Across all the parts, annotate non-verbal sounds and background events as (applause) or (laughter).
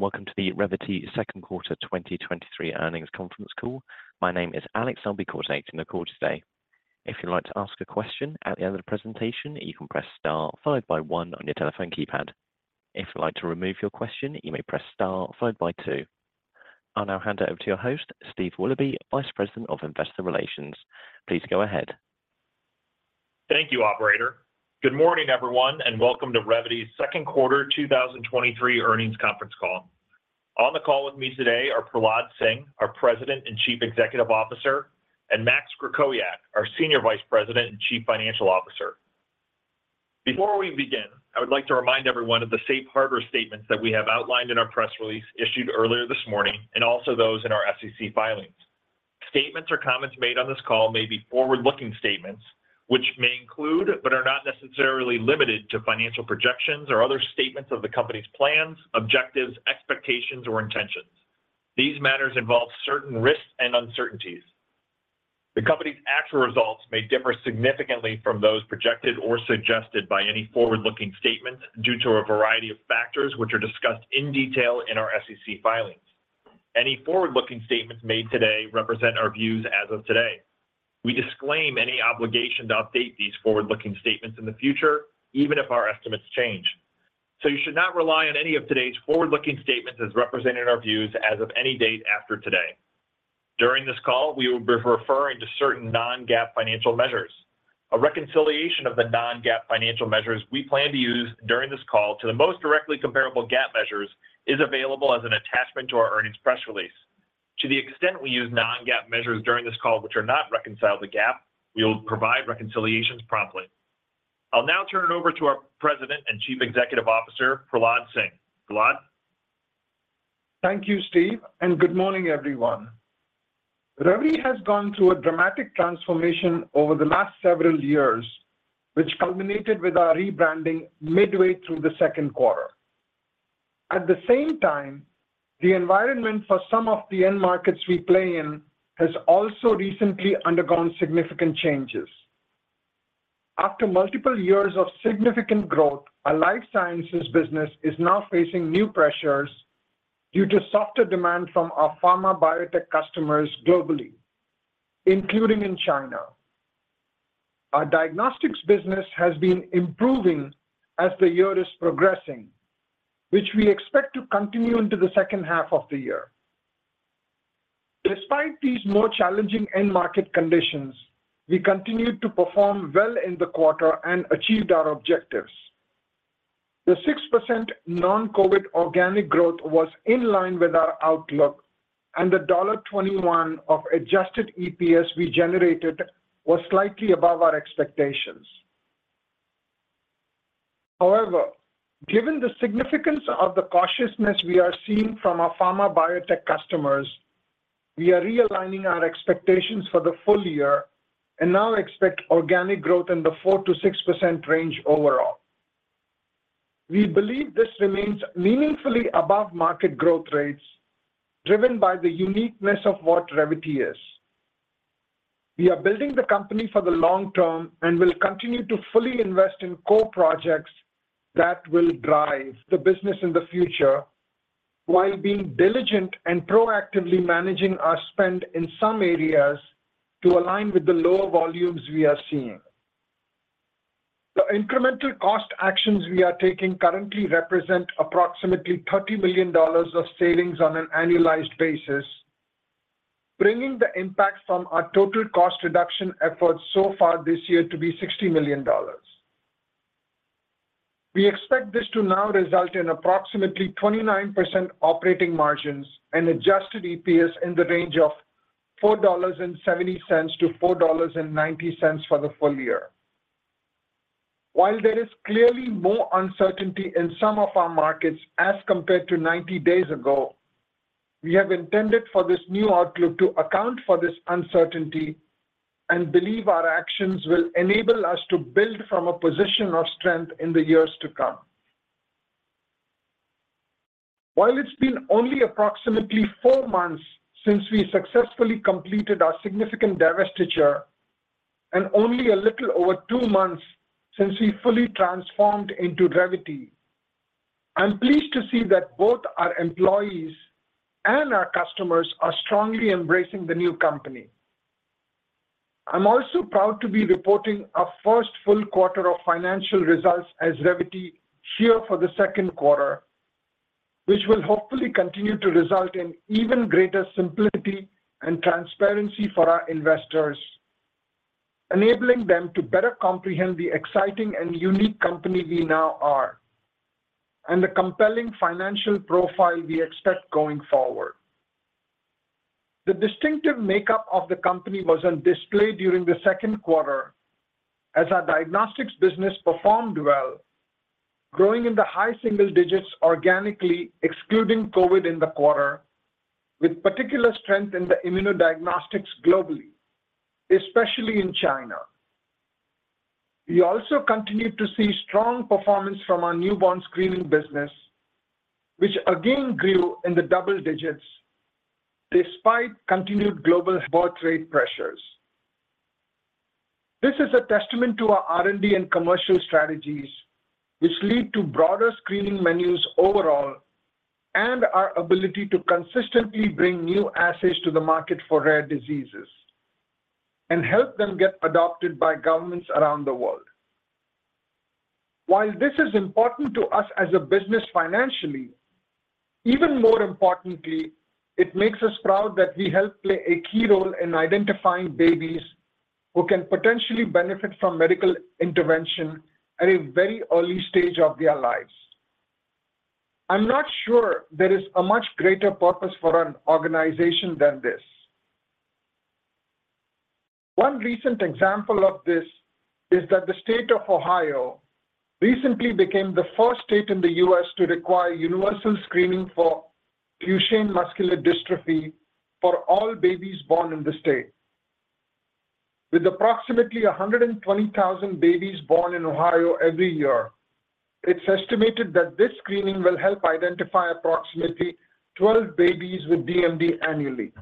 Hello, and welcome to the Revvity Second Quarter 2023 Earnings Conference Call. My name is Alex. I'll be coordinating the call today. If you'd like to ask a question at the end of the presentation, you can press star followed by one on your telephone keypad. If you'd like to remove your question, you may press star followed by two. I'll now hand it over to your host, Steve Willoughby, Vice President of Investor Relations. Please go ahead. Thank you, operator. Good morning, everyone, and welcome to Revvity's second quarter 2023 earnings conference call. On the call with me today are Prahlad Singh, our President and Chief Executive Officer, and Max Krakowiak, our Senior Vice President and Chief Financial Officer. Before we begin, I would like to remind everyone of the safe harbor statements that we have outlined in our press release issued earlier this morning, and also those in our SEC filings. Statements or comments made on this call may be forward-looking statements, which may include, but are not necessarily limited to financial projections or other statements of the company's plans, objectives, expectations, or intentions. These matters involve certain risks and uncertainties. The company's actual results may differ significantly from those projected or suggested by any forward-looking statements due to a variety of factors, which are discussed in detail in our SEC filings. Any forward-looking statements made today represent our views as of today. We disclaim any obligation to update these forward-looking statements in the future, even if our estimates change. You should not rely on any of today's forward-looking statements as representing our views as of any date after today. During this call, we will be referring to certain non-GAAP financial measures. A reconciliation of the non-GAAP financial measures we plan to use during this call to the most directly comparable GAAP measures is available as an attachment to our earnings press release. To the extent we use non-GAAP measures during this call, which are not reconciled to GAAP, we will provide reconciliations promptly. I'll now turn it over to our President and Chief Executive Officer, Prahlad Singh. Prahlad? Thank you, Steve. Good morning, everyone. Revvity has gone through a dramatic transformation over the last several years, which culminated with our rebranding midway through the second quarter. At the same time, the environment for some of the end markets we play in has also recently undergone significant changes. After multiple years of significant growth, our Life Sciences business is now facing new pressures due to softer demand from our pharma biotech customers globally, including in China. Our Diagnostics business has been improving as the year is progressing, which we expect to continue into the second half of the year. Despite these more challenging end market conditions, we continued to perform well in the quarter and achieved our objectives. The 6% non-COVID organic growth was in line with our outlook. The $1.21 of adjusted EPS we generated was slightly above our expectations. Given the significance of the cautiousness we are seeing from our pharma biotech customers, we are realigning our expectations for the full year and now expect organic growth in the 4%-6% range overall. We believe this remains meaningfully above market growth rates, driven by the uniqueness of what Revvity is. We are building the company for the long term and will continue to fully invest in core projects that will drive the business in the future, while being diligent and proactively managing our spend in some areas to align with the lower volumes we are seeing. The incremental cost actions we are taking currently represent approximately $30 million of savings on an annualized basis, bringing the impact from our total cost reduction efforts so far this year to be $60 million. We expect this to now result in approximately 29% operating margins and adjusted EPS in the range of $4.70-$4.90 for the full year. While there is clearly more uncertainty in some of our markets as compared to 90 days ago, we have intended for this new outlook to account for this uncertainty and believe our actions will enable us to build from a position of strength in the years to come. While it's been only approximately four months since we successfully completed our significant divestiture and only a little over two months since we fully transformed into Revvity, I'm pleased to see that both our employees and our customers are strongly embracing the new company. I'm also proud to be reporting our first full quarter of financial results as Revvity here for the second quarter, which will hopefully continue to result in even greater simplicity and transparency for our investors, enabling them to better comprehend the exciting and unique company we now are, and the compelling financial profile we expect going forward. The distinctive makeup of the company was on display during the second quarter as our Diagnostics business performed well, growing in the high-single-digits organically, excluding COVID in the quarter, with particular strength in the immunodiagnostics globally, especially in China. We also continued to see strong performance from our Newborn Screening business, which again grew in the double-digits despite continued global trade pressures. This is a testament to our R&D and commercial strategies, which lead to broader screening menus overall, and our ability to consistently bring new assays to the market for rare diseases, and help them get adopted by governments around the world. While this is important to us as a business financially, even more importantly, it makes us proud that we help play a key role in identifying babies who can potentially benefit from medical intervention at a very early stage of their lives. I'm not sure there is a much greater purpose for an organization than this. One recent example of this is that the state of Ohio recently became the first state in the US to require universal screening for Duchenne muscular dystrophy for all babies born in the state. With approximately 120,000 babies born in Ohio every year, it's estimated that this screening will help identify approximately 12 babies with DMD annually.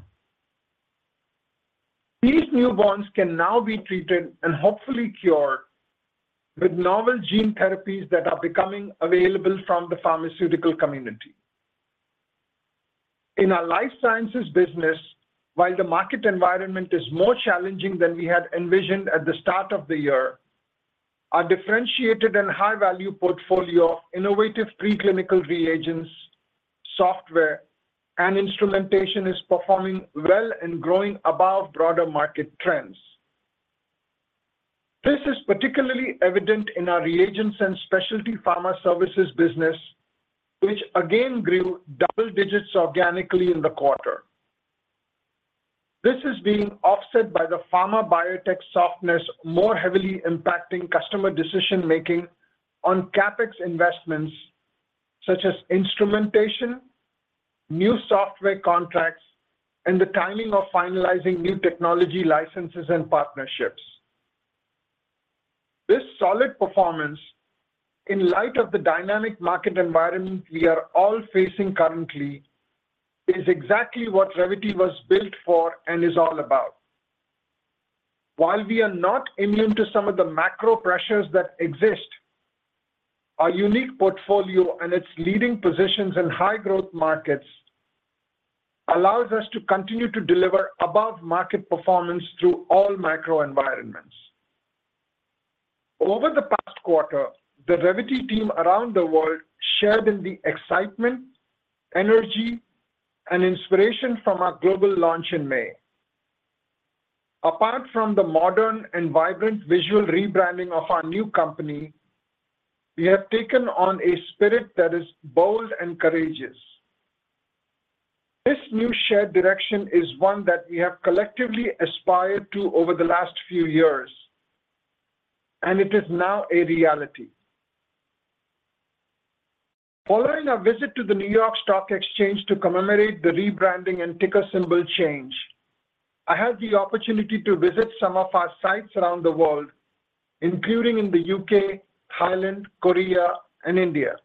These newborns can now be treated, and hopefully cured, with novel gene therapies that are becoming available from the pharmaceutical community. In our Life Sciences business, while the market environment is more challenging than we had envisioned at the start of the year, our differentiated and high-value portfolio of innovative preclinical reagents, software, and instrumentation is performing well and growing above broader market trends. This is particularly evident in our reagents and specialty pharma services business, which again grew double digits organically in the quarter. This is being offset by the pharma biotech softness, more heavily impacting customer decision-making on CapEx investments such as instrumentation, new software contracts, and the timing of finalizing new technology licenses and partnerships. This solid performance, in light of the dynamic market environment we are all facing currently, is exactly what Revvity was built for and is all about. While we are not immune to some of the macro pressures that exist, our unique portfolio and its leading positions in high-growth markets allows us to continue to deliver above-market performance through all macro environments. Over the past quarter, the Revvity team around the world shared in the excitement, energy, and inspiration from our global launch in May. Apart from the modern and vibrant visual rebranding of our new company, we have taken on a spirit that is bold and courageous. This new shared direction is one that we have collectively aspired to over the last few years, and it is now a reality. Following a visit to the New York Stock Exchange to commemorate the rebranding and ticker symbol change, I had the opportunity to visit some of our sites around the world, including in the UK, Thailand, Korea, and India,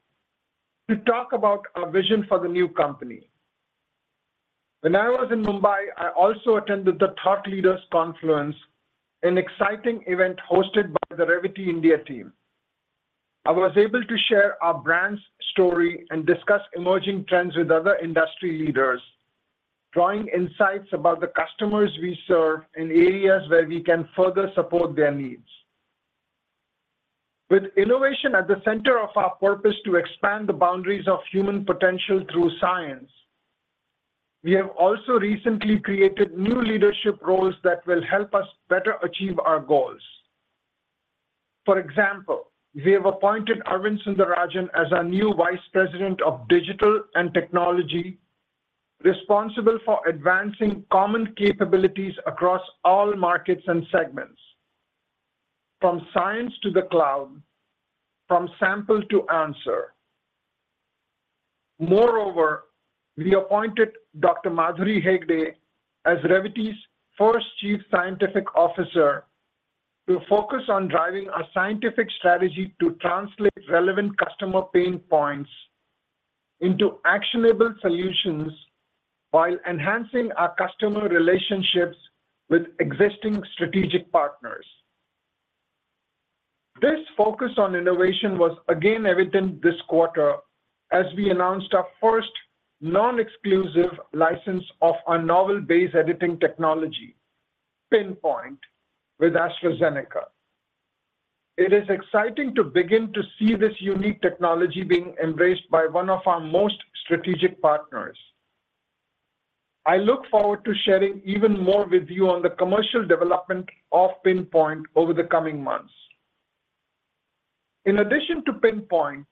to talk about our vision for the new company. When I was in Mumbai, I also attended the Thought Leaders Confluence, an exciting event hosted by the Revvity India team. I was able to share our brand's story and discuss emerging trends with other industry leaders, drawing insights about the customers we serve in areas where we can further support their needs. With innovation at the center of our purpose to expand the boundaries of human potential through science, we have also recently created new leadership roles that will help us better achieve our goals. For example, we have appointed Arvind Sundar-Rajan as our new Vice President of Digital and Technology, responsible for advancing common capabilities across all markets and segments, from science to the cloud, from sample to answer. Moreover, we appointed Madhuri Hegde as Revvity's first Chief Scientific Officer, to focus on driving our scientific strategy to translate relevant customer pain points into actionable solutions while enhancing our customer relationships with existing strategic partners. This focus on innovation was again evident this quarter as we announced our first non-exclusive license of our novel base editing technology, Pin-point, with AstraZeneca. It is exciting to begin to see this unique technology being embraced by one of our most strategic partners. I look forward to sharing even more with you on the commercial development of Pin-point over the coming months. In addition to Pin-point,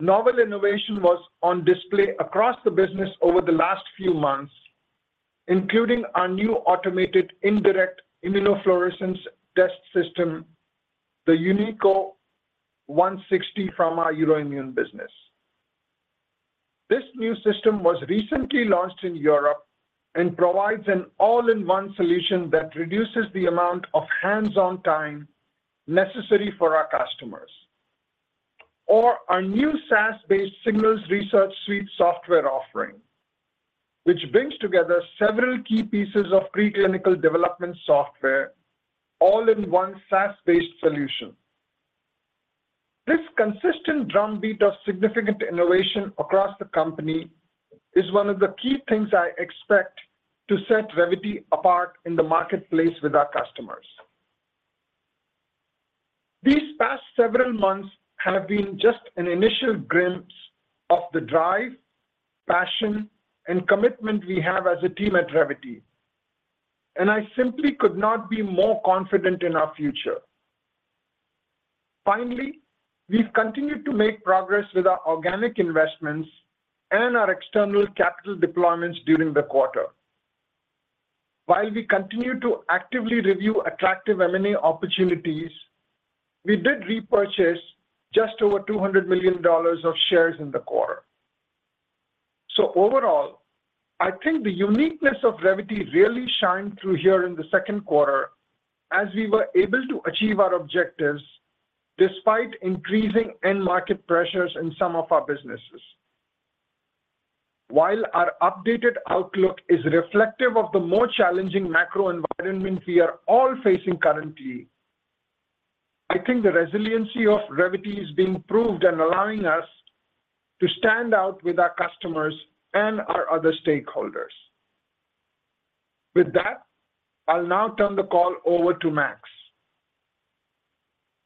novel innovation was on display across the business over the last few months, including our new automated indirect immunofluorescence test system, the UNIQO 160, from our Euroimmun business. This new system was recently launched in Europe and provides an all-in-one solution that reduces the amount of hands-on time necessary for our customers. Our new SaaS-based Signals Research Suite software offering, which brings together several key pieces of preclinical development software all in one SaaS-based solution. This consistent drumbeat of significant innovation across the company is one of the key things I expect to set Revvity apart in the marketplace with our customers. These past several months have been just an initial glimpse of the drive, passion, and commitment we have as a team at Revvity, and I simply could not be more confident in our future. Finally, we've continued to make progress with our organic investments and our external capital deployments during the quarter. While we continue to actively review attractive M&A opportunities, we did repurchase just over $200 million of shares in the quarter. Overall, I think the uniqueness of Revvity really shined through here in the second quarter as we were able to achieve our objectives despite increasing end market pressures in some of our businesses. While our updated outlook is reflective of the more challenging macro environment we are all facing currently, I think the resiliency of Revvity is being proved and allowing us to stand out with our customers and our other stakeholders. With that, I'll now turn the call over to Max.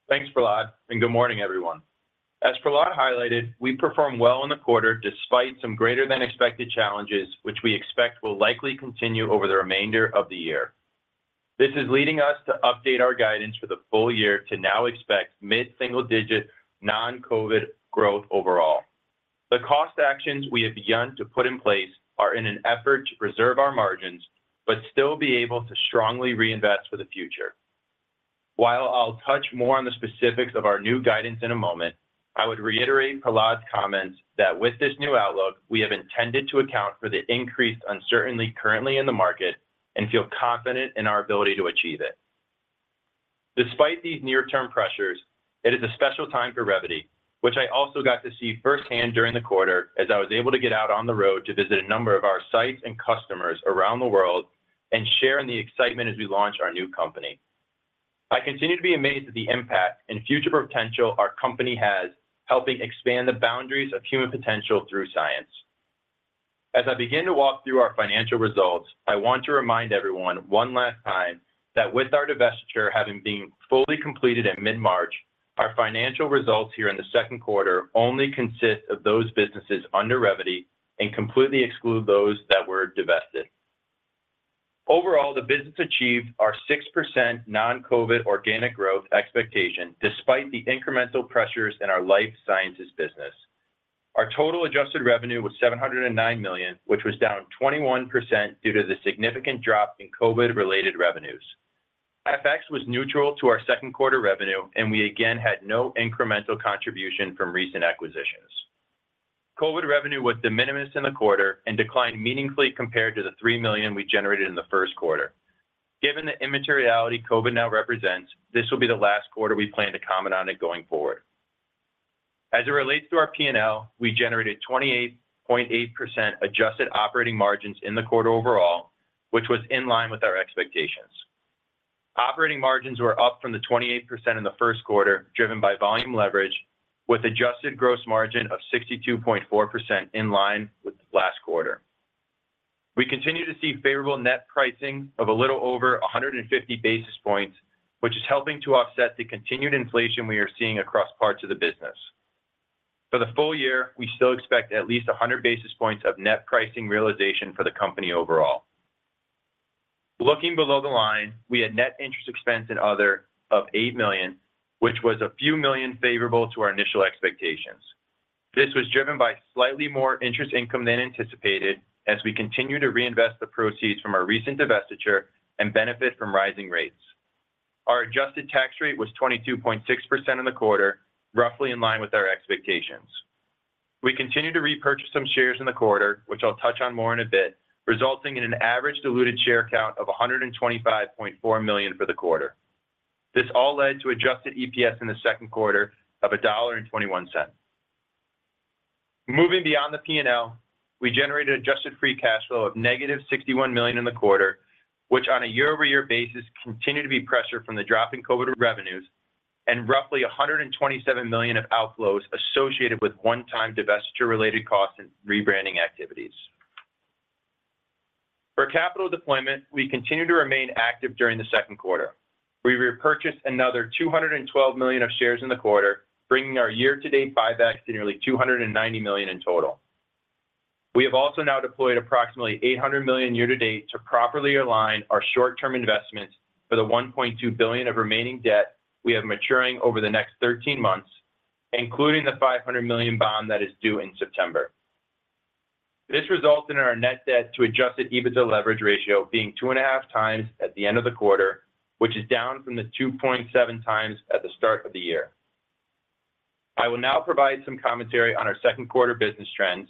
Thanks, Prahlad. Good morning, everyone. As Prahlad highlighted, we performed well in the quarter despite some greater than expected challenges, which we expect will likely continue over the remainder of the year. This is leading us to update our guidance for the full year to now expect mid-single-digit, non-COVID growth overall. The cost actions we have begun to put in place are in an effort to preserve our margins, but still be able to strongly reinvest for the future. While I'll touch more on the specifics of our new guidance in a moment, I would reiterate Prahlad's comments that with this new outlook, we have intended to account for the increased uncertainty currently in the market and feel confident in our ability to achieve it. Despite these near-term pressures, it is a special time for Revvity, which I also got to see firsthand during the quarter as I was able to get out on the road to visit a number of our sites and customers around the world and share in the excitement as we launch our new company. I continue to be amazed at the impact and future potential our company has, helping expand the boundaries of human potential through science. As I begin to walk through our financial results, I want to remind everyone one last time that with our divestiture having been fully completed in mid-March, our financial results here in the second quarter only consist of those businesses under Revvity and completely exclude those that were divested. Overall, the business achieved our 6% non-COVID organic growth expectation, despite the incremental pressures in our life sciences business. Our total adjusted revenue was $709 million, which was down 21% due to the significant drop in COVID-related revenues. FX was neutral to our second quarter revenue, and we again had no incremental contribution from recent acquisitions. COVID revenue was de minimis in the quarter and declined meaningfully compared to the $3 million we generated in the first quarter. Given the immateriality COVID now represents, this will be the last quarter we plan to comment on it going forward. As it relates to our P&L, we generated 28.8% adjusted operating margins in the quarter overall, which was in line with our expectations. Operating margins were up from the 28% in the first quarter, driven by volume leverage with adjusted gross margin of 62.4% in line with last quarter. We continue to see favorable net pricing of a little over 150 basis points, which is helping to offset the continued inflation we are seeing across parts of the business. For the full year, we still expect at least 100 basis points of net pricing realization for the company overall. Looking below the line, we had net interest expense and other of $8 million, which was a few million favorable to our initial expectations. This was driven by slightly more interest income than anticipated, as we continue to reinvest the proceeds from our recent divestiture and benefit from rising rates. Our adjusted tax rate was 22.6% in the quarter, roughly in line with our expectations. We continued to repurchase some shares in the quarter, which I'll touch on more in a bit, resulting in an average diluted share count of $125.4 million for the quarter. This all led to adjusted EPS in the second quarter of $1.21. Moving beyond the P&L, we generated adjusted free cash flow of -$61 million in the quarter, which, on a year-over-year basis, continued to be pressured from the drop in COVID revenues and roughly $127 million of outflows associated with one-time divestiture-related costs and rebranding activities. For capital deployment, we continued to remain active during the second quarter. We repurchased another $212 million of shares in the quarter, bringing our year-to-date buybacks to nearly $290 million in total. We have also now deployed approximately $800 million year to date to properly align our short-term investments for the $1.2 billion of remaining debt we have maturing over the next 13 months, including the $500 million bond that is due in September. This results in our net debt to adjusted EBITDA leverage ratio being 2.5x at the end of the quarter, which is down from the 2.7x at the start of the year. I will now provide some commentary on our second quarter business trends,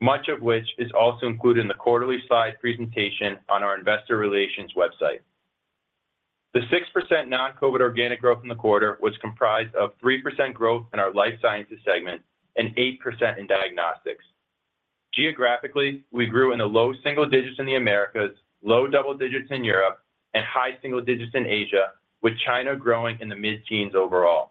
much of which is also included in the quarterly slide presentation on our investor relations website. The 6% non-COVID organic growth in the quarter was comprised of 3% growth in our Life Sciences segment and 8% in Diagnostics. Geographically, we grew in the low single-digits in the Americas, low double digits in Europe, and high single-digits in Asia, with China growing in the mid-teens overall.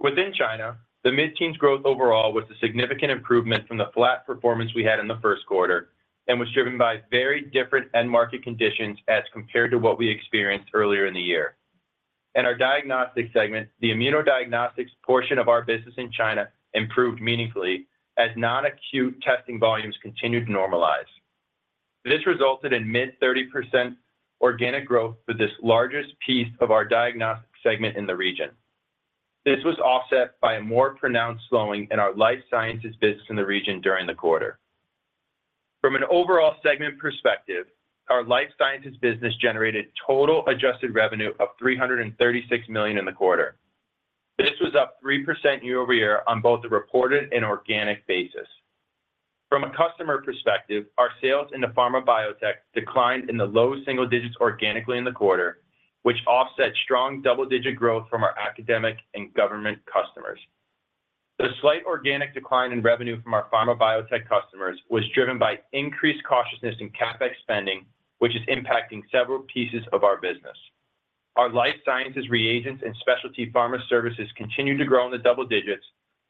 Within China, the mid-teens growth overall was a significant improvement from the flat performance we had in the first quarter and was driven by very different end market conditions as compared to what we experienced earlier in the year. In our Diagnostic segment, the immunodiagnostics portion of our business in China improved meaningfully as non-acute testing volumes continued to normalize. This resulted in mid-30% organic growth for this largest piece of our Diagnostic segment in the region. This was offset by a more pronounced slowing in our life sciences business in the region during the quarter. From an overall segment perspective, our life sciences business generated total adjusted revenue of $336 million in the quarter. This was up 3% year-over-year on both the reported and organic basis. From a customer perspective, our sales in the pharma biotech declined in the low single-digits organically in the quarter, which offset strong double-digit growth from our academic and government customers. The slight organic decline in revenue from our pharma biotech customers was driven by increased cautiousness in CapEx spending, which is impacting several pieces of our business. Our Life Sciences reagents and specialty pharma services continued to grow in the double digits,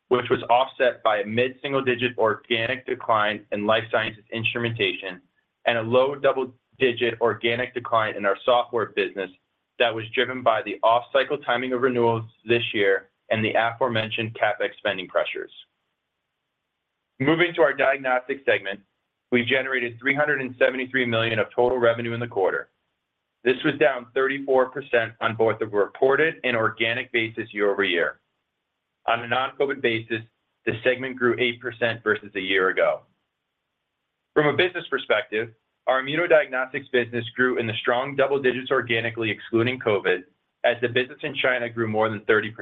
which was offset by a mid-single-digit organic decline in Life Sciences instrumentation and a low-double-digit organic decline in our software business that was driven by the off-cycle timing of renewals this year and the aforementioned CapEx spending pressures. Moving to our Diagnostics segment, we generated $373 million of total revenue in the quarter. This was down 34% on both the reported and organic basis year-over-year. On a non-COVID basis, the segment grew 8% versus a year ago. From a business perspective, our immunodiagnostics business grew in the strong double digits organically, excluding COVID, as the business in China grew more than 30%.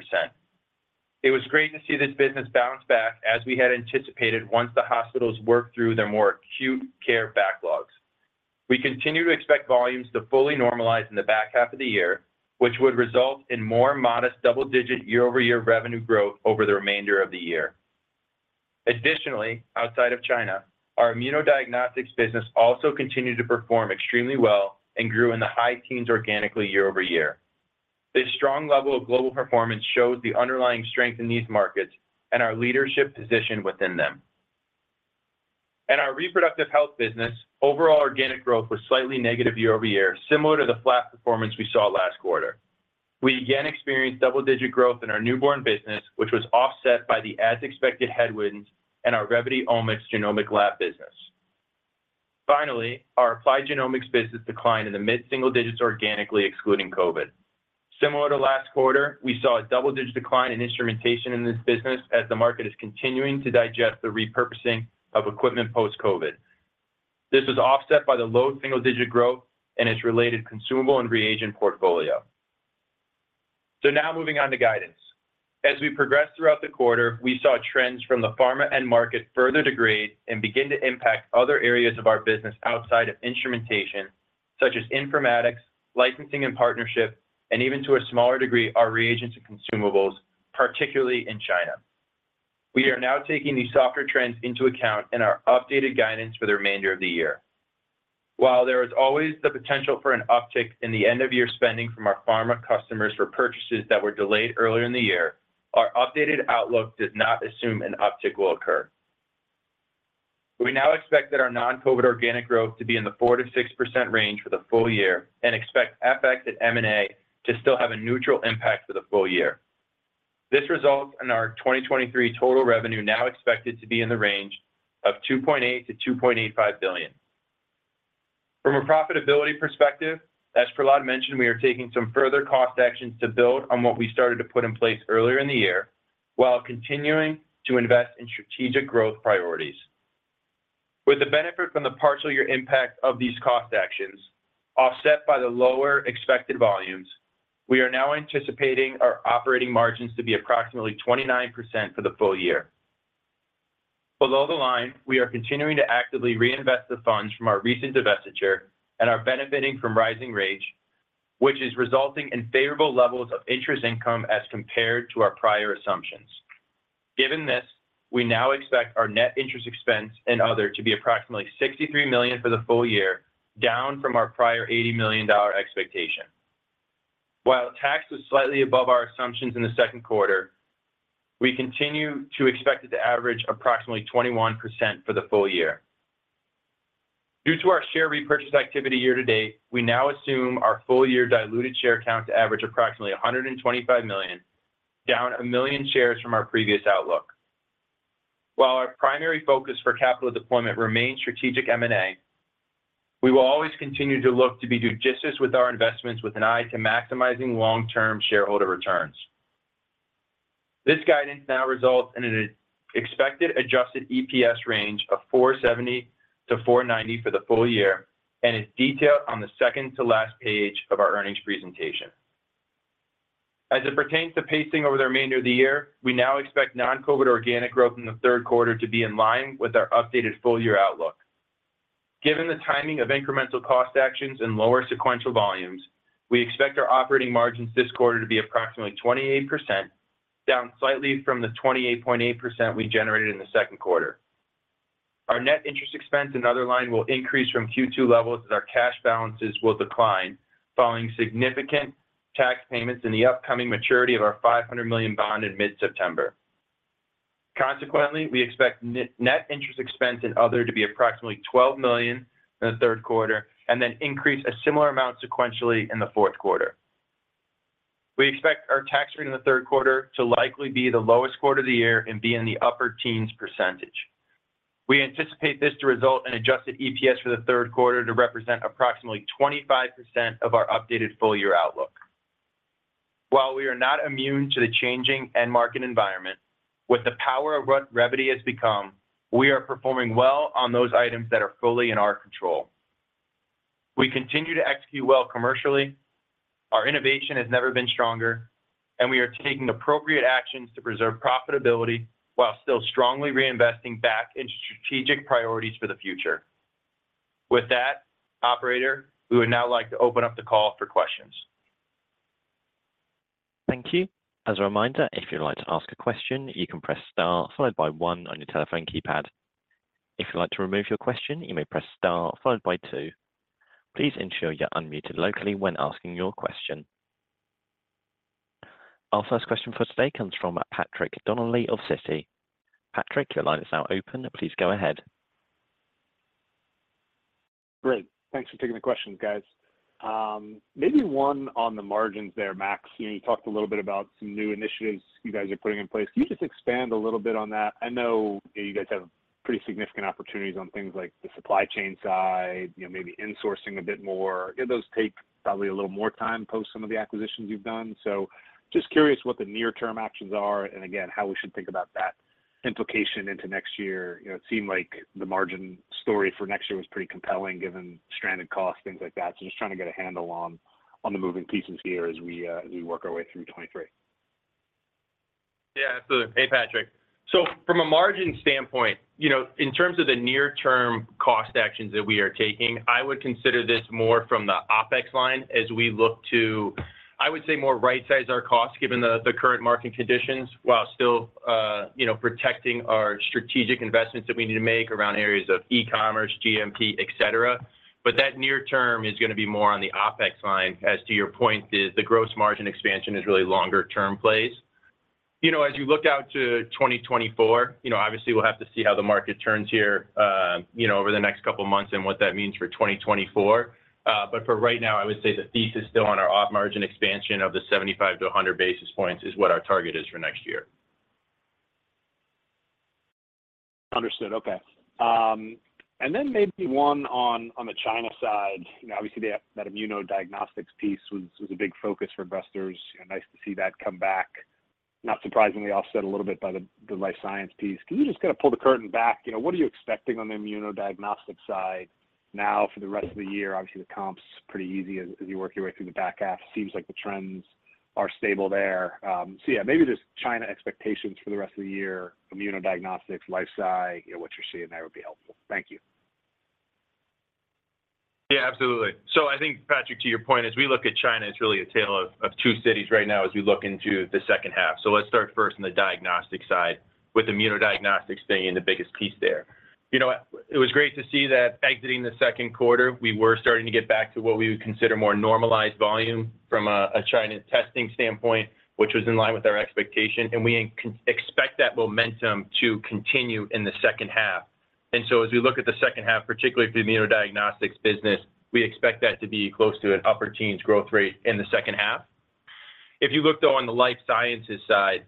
It was great to see this business bounce back as we had anticipated once the hospitals worked through their more acute care backlogs. We continue to expect volumes to fully normalize in the back half of the year, which would result in more modest double-digit year-over-year revenue growth over the remainder of the year. Additionally, outside of China, our immunodiagnostics business also continued to perform extremely well and grew in the high-teens organically year-over-year. This strong level of global performance shows the underlying strength in these markets and our leadership position within them. In our reproductive health business, overall organic growth was slightly negative year-over-year, similar to the flat performance we saw last quarter. We again experienced double-digit growth in our newborn business, which was offset by the as-expected headwinds in our Revvity Omics genomic lab business. Finally, our applied genomics business declined in the mid-single-digits organically, excluding COVID. Similar to last quarter, we saw a double-digit decline in instrumentation in this business as the market is continuing to digest the repurposing of equipment post-COVID. This was offset by the low single-digit growth and its related consumable and reagent portfolio. Now moving on to guidance. As we progressed throughout the quarter, we saw trends from the pharma end market further degrade and begin to impact other areas of our business outside of instrumentation, such as informatics, licensing and partnership, and even to a smaller degree, our reagents and consumables, particularly in China. We are now taking these softer trends into account in our updated guidance for the remainder of the year. While there is always the potential for an uptick in the end-of-year spending from our pharma customers for purchases that were delayed earlier in the year, our updated outlook does not assume an uptick will occur. We now expect that our non-COVID organic growth to be in the 4%-6% range for the full year and expect FX at M&A to still have a neutral impact for the full year. This results in our 2023 total revenue now expected to be in the range of $2.8 billion-$2.85 billion. From a profitability perspective, as Prahlad mentioned, we are taking some further cost actions to build on what we started to put in place earlier in the year, while continuing to invest in strategic growth priorities. With the benefit from the partial year impact of these cost actions, offset by the lower expected volumes, we are now anticipating our operating margins to be approximately 29% for the full year. Below the line, we are continuing to actively reinvest the funds from our recent divestiture and are benefiting from rising rates, which is resulting in favorable levels of interest income as compared to our prior assumptions. Given this, we now expect our net interest expense and other to be approximately $63 million for the full year, down from our prior $80 million expectation. While tax was slightly above our assumptions in the second quarter, we continue to expect it to average approximately 21% for the full year. Due to our share repurchase activity year-to-date, we now assume our full year diluted share count to average approximately 125 million, down 1 million shares from our previous outlook. While our primary focus for capital deployment remains strategic M&A, we will always continue to look to be judicious with our investments with an eye to maximizing long-term shareholder returns. This guidance now results in an expected adjusted EPS range of $4.70-$4.90 for the full year, and is detailed on the second-to-last page of our earnings presentation. As it pertains to pacing over the remainder of the year, we now expect non-COVID organic growth in the third quarter to be in line with our updated full-year outlook. Given the timing of incremental cost actions and lower sequential volumes, we expect our operating margins this quarter to be approximately 28%, down slightly from the 28.8% we generated in the second quarter. Our net interest expense and other line will increase from Q2 levels as our cash balances will decline, following significant tax payments in the upcoming maturity of our $500 million bond in mid-September. Consequently, we expect net interest expense and other to be approximately $12 million in the third quarter, and then increase a similar amount sequentially in the fourth quarter. We expect our tax rate in the third quarter to likely be the lowest quarter of the year and be in the upper-teens %. We anticipate this to result in adjusted EPS for the third quarter to represent approximately 25% of our updated full year outlook. While we are not immune to the changing end market environment, with the power of what Revvity has become, we are performing well on those items that are fully in our control. We continue to execute well commercially, our innovation has never been stronger, and we are taking appropriate actions to preserve profitability while still strongly reinvesting back into strategic priorities for the future. With that, operator, we would now like to open up the call for questions. Thank you. As a reminder, if you'd like to ask a question, you can press star followed by one on your telephone keypad. If you'd like to remove your question, you may press star followed by two. Please ensure you're unmuted locally when asking your question. Our first question for today comes from Patrick Donnelly of Citi. Patrick, your line is now open. Please go ahead. Great. Thanks for taking the questions, guys. Maybe one on the margins there, Max, you know, you talked a little bit about some new initiatives you guys are putting in place. Can you just expand a little bit on that? I know you guys have pretty significant opportunities on things like the supply chain side, you know, maybe insourcing a bit more. Those take probably a little more time post some of the acquisitions you've done. Just curious what the near-term actions are, and again, how we should think about that implication into next year. You know, it seemed like the margin story for next year was pretty compelling, given stranded costs, things like that. Just trying to get a handle on, on the moving pieces here as we, as we work our way through 2023. Yeah, absolutely. Hey, Patrick. From a margin standpoint, you know, in terms of the near-term cost actions that we are taking, I would consider this more from the OpEx line as we look to, I would say, more right-size our costs, given the current market conditions, while still, you know, protecting our strategic investments that we need to make around areas of e-commerce, GMP, et cetera. That near term is gonna be more on the OpEx line, as to your point, the gross margin expansion is really longer-term plays. You know, as you look out to 2024, you know, obviously, we'll have to see how the market turns here, you know, over the next couple of months and what that means for 2024. For right now, I would say the thesis still on our op margin expansion of the 75 to 100 basis points is what our target is for next year. Understood. Okay. Then maybe one on, on the China side. You know, obviously, the, that immunodiagnostics piece was, was a big focus for investors. Nice to see that come back. Not surprisingly, offset a little bit by the, the life science piece. Can you just kind of pull the curtain back? You know, what are you expecting on the immunodiagnostics side now for the rest of the year? Obviously, the comp's pretty easy as, as you work your way through the back half. Seems like the trends are stable there. Yeah, maybe just China expectations for the rest of the year, immunodiagnostics, life sci, you know, what you're seeing there would be helpful. Thank you. Yeah, absolutely. I think, Patrick, to your point, as we look at China, it's really a tale of two cities right now as we look into the second half. Let's start first on the Diagnostics side, with immunodiagnostics being the biggest piece there. You know what? It was great to see that exiting the second quarter, we were starting to get back to what we would consider more normalized volume from a China testing standpoint, which was in line with our expectation, and we expect that momentum to continue in the second half. As we look at the second half, particularly for the immunodiagnostics business, we expect that to be close to an upper-teens growth rate in the second half. If you look, though, on the Life Sciences side,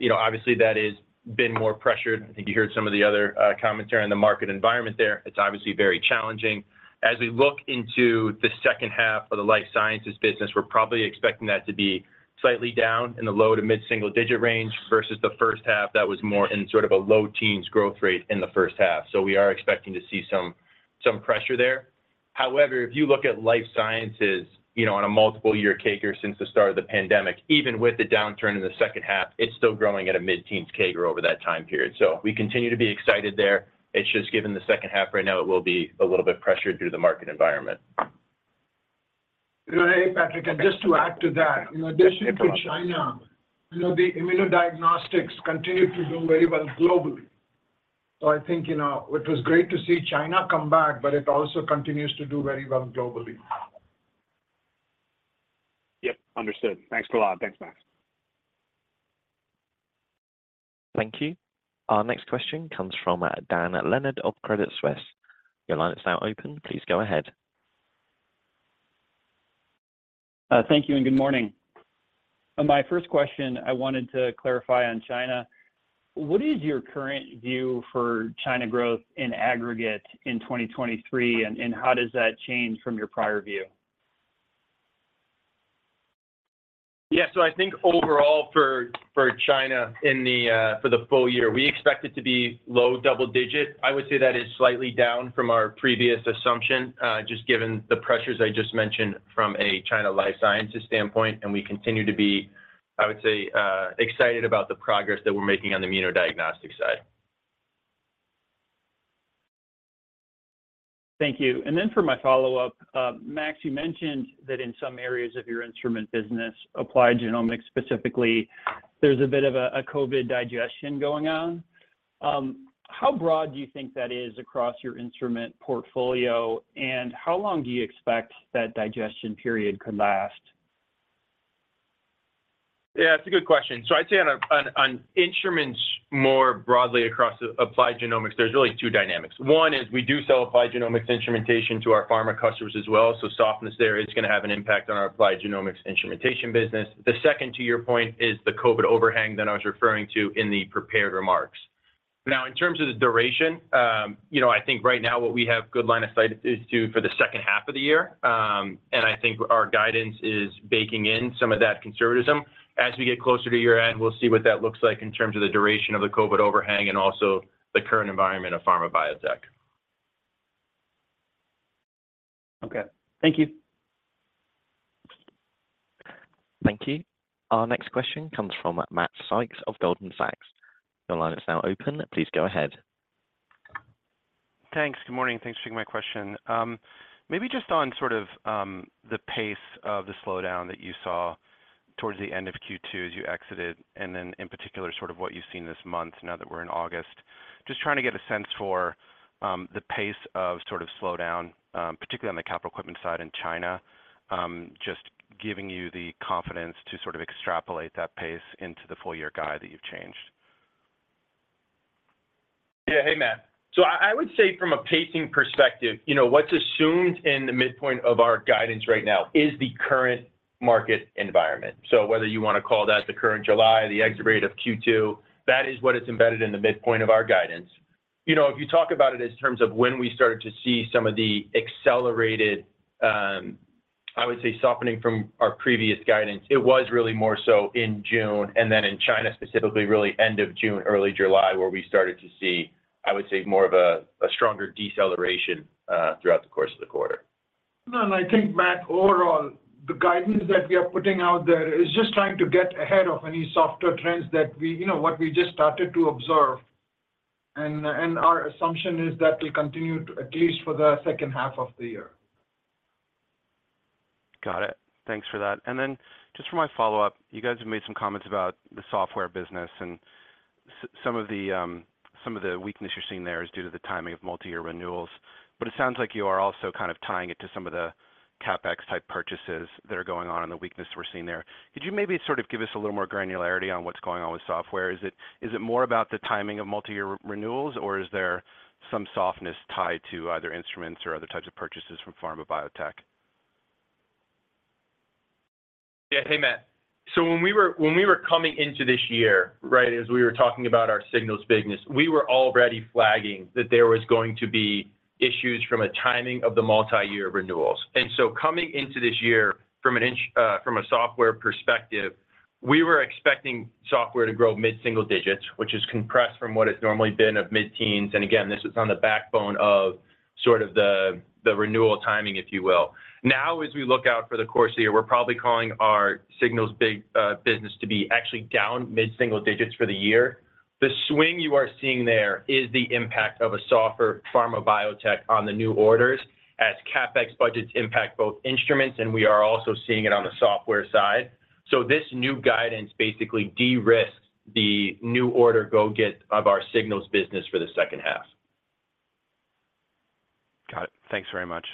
you know, obviously, that is been more pressured. I think you heard some of the other commentary on the market environment there. It's obviously very challenging. As we look into the second half of the Life Sciences business, we're probably expecting that to be slightly down in the low to mid-single-digit range versus the first half. That was more in sort of a low teens growth rate in the first half. We are expecting to see some, some pressure there. However, if you look at Life Sciences, you know, on a multiple year CAGR since the start of the pandemic, even with the downturn in the second half, it's still growing at a mid-teens CAGR over that time period. We continue to be excited there. It's just given the second half right now, it will be a little bit pressured due to the market environment. You know, hey, Patrick, just to add to that, in addition to China, you know, the immunodiagnostics continue to do very well globally. I think, you know, it was great to see China come back, but it also continues to do very well globally. Yep, understood. Thanks a lot. Thanks, Max. Thank you. Our next question comes from Dan Leonard of Credit Suisse. Your line is now open. Please go ahead. Thank you, and good morning. My first question, I wanted to clarify on China. What is your current view for China growth in aggregate in 2023, and how does that change from your prior view? So I think overall for China in the full year, we expect it to be low double-digit. I would say that is slightly down from our previous assumption, just given the pressures I just mentioned from a China Life Sciences standpoint, and we continue to be, I would say, excited about the progress that we're making on the immunodiagnostic side. Thank you. Then for my follow-up, Max, you mentioned that in some areas of your instrument business, applied genomics specifically, there's a bit of a COVID digestion going on. How broad do you think that is across your instrument portfolio, and how long do you expect that digestion period could last? Yeah, it's a good question. I'd say on instruments, more broadly across the applied genomics, there's really two dynamics. One is we do sell applied genomics instrumentation to our pharma customers as well, so softness there is gonna have an impact on our applied genomics instrumentation business. The second, to your point, is the COVID overhang that I was referring to in the prepared remarks. Now, in terms of the duration, you know, I think right now what we have good line of sight is to for the second half of the year. I think our guidance is baking in some of that conservatism. As we get closer to year-end, we'll see what that looks like in terms of the duration of the COVID overhang and also the current environment of pharma biotech. Okay. Thank you. Thank you. Our next question comes from Matthew Sykes of Goldman Sachs. Your line is now open. Please go ahead. Thanks. Good morning, thanks for taking my question. Maybe just on sort of, the pace of the slowdown that you saw towards the end of Q2 as you exited, and then in particular, sort of what you've seen this month now that we're in August. Just trying to get a sense for, the pace of sort of slowdown, particularly on the capital equipment side in China, just giving you the confidence to sort of extrapolate that pace into the full year guide that you've changed. Yeah. Hey, Matt. I, I would say from a pacing perspective, you know, what's assumed in the midpoint of our guidance right now is the current market environment. Whether you want to call that the current July, the exit rate of Q2, that is what is embedded in the midpoint of our guidance. You know, if you talk about it in terms of when we started to see some of the accelerated, I would say, softening from our previous guidance, it was really more so in June, and then in China specifically, really end of June, early July, where we started to see, I would say, more of a, a stronger deceleration throughout the course of the quarter. No, I think, Matt, overall, the guidance that we are putting out there is just trying to get ahead of any softer trends that you know, what we just started to observe. Our assumption is that will continue to, at least for the second half of the year. Got it. Thanks for that. Then just for my follow-up, you guys have made some comments about the software business and some of the, some of the weakness you're seeing there is due to the timing of multi-year renewals. It sounds like you are also kind of tying it to some of the CapEx type purchases that are going on and the weakness we're seeing there. Could you maybe sort of give us a little more granularity on what's going on with software? Is it, is it more about the timing of multi-year renewals, or is there some softness tied to either instruments or other types of purchases from pharma biotech? Yeah. Hey, Matt. When we were, when we were coming into this year, right, as we were talking about our Signals business, we were already flagging that there was going to be issues from a timing of the multi-year renewals. Coming into this year from a software perspective, we were expecting software to grow mid-single-digits, which is compressed from what it's normally been of mid-teens. Again, this is on the backbone of sort of the, the renewal timing, if you will. Now, as we look out for the course of the year, we're probably calling our Signals big business to be actually down mid-single-digits for the year. The swing you are seeing there is the impact of a softer pharma biotech on the new orders, as CapEx budgets impact both instruments, and we are also seeing it on the software side. This new guidance basically de-risks the new order go-get of our Signals business for the second half. Got it. Thanks very much.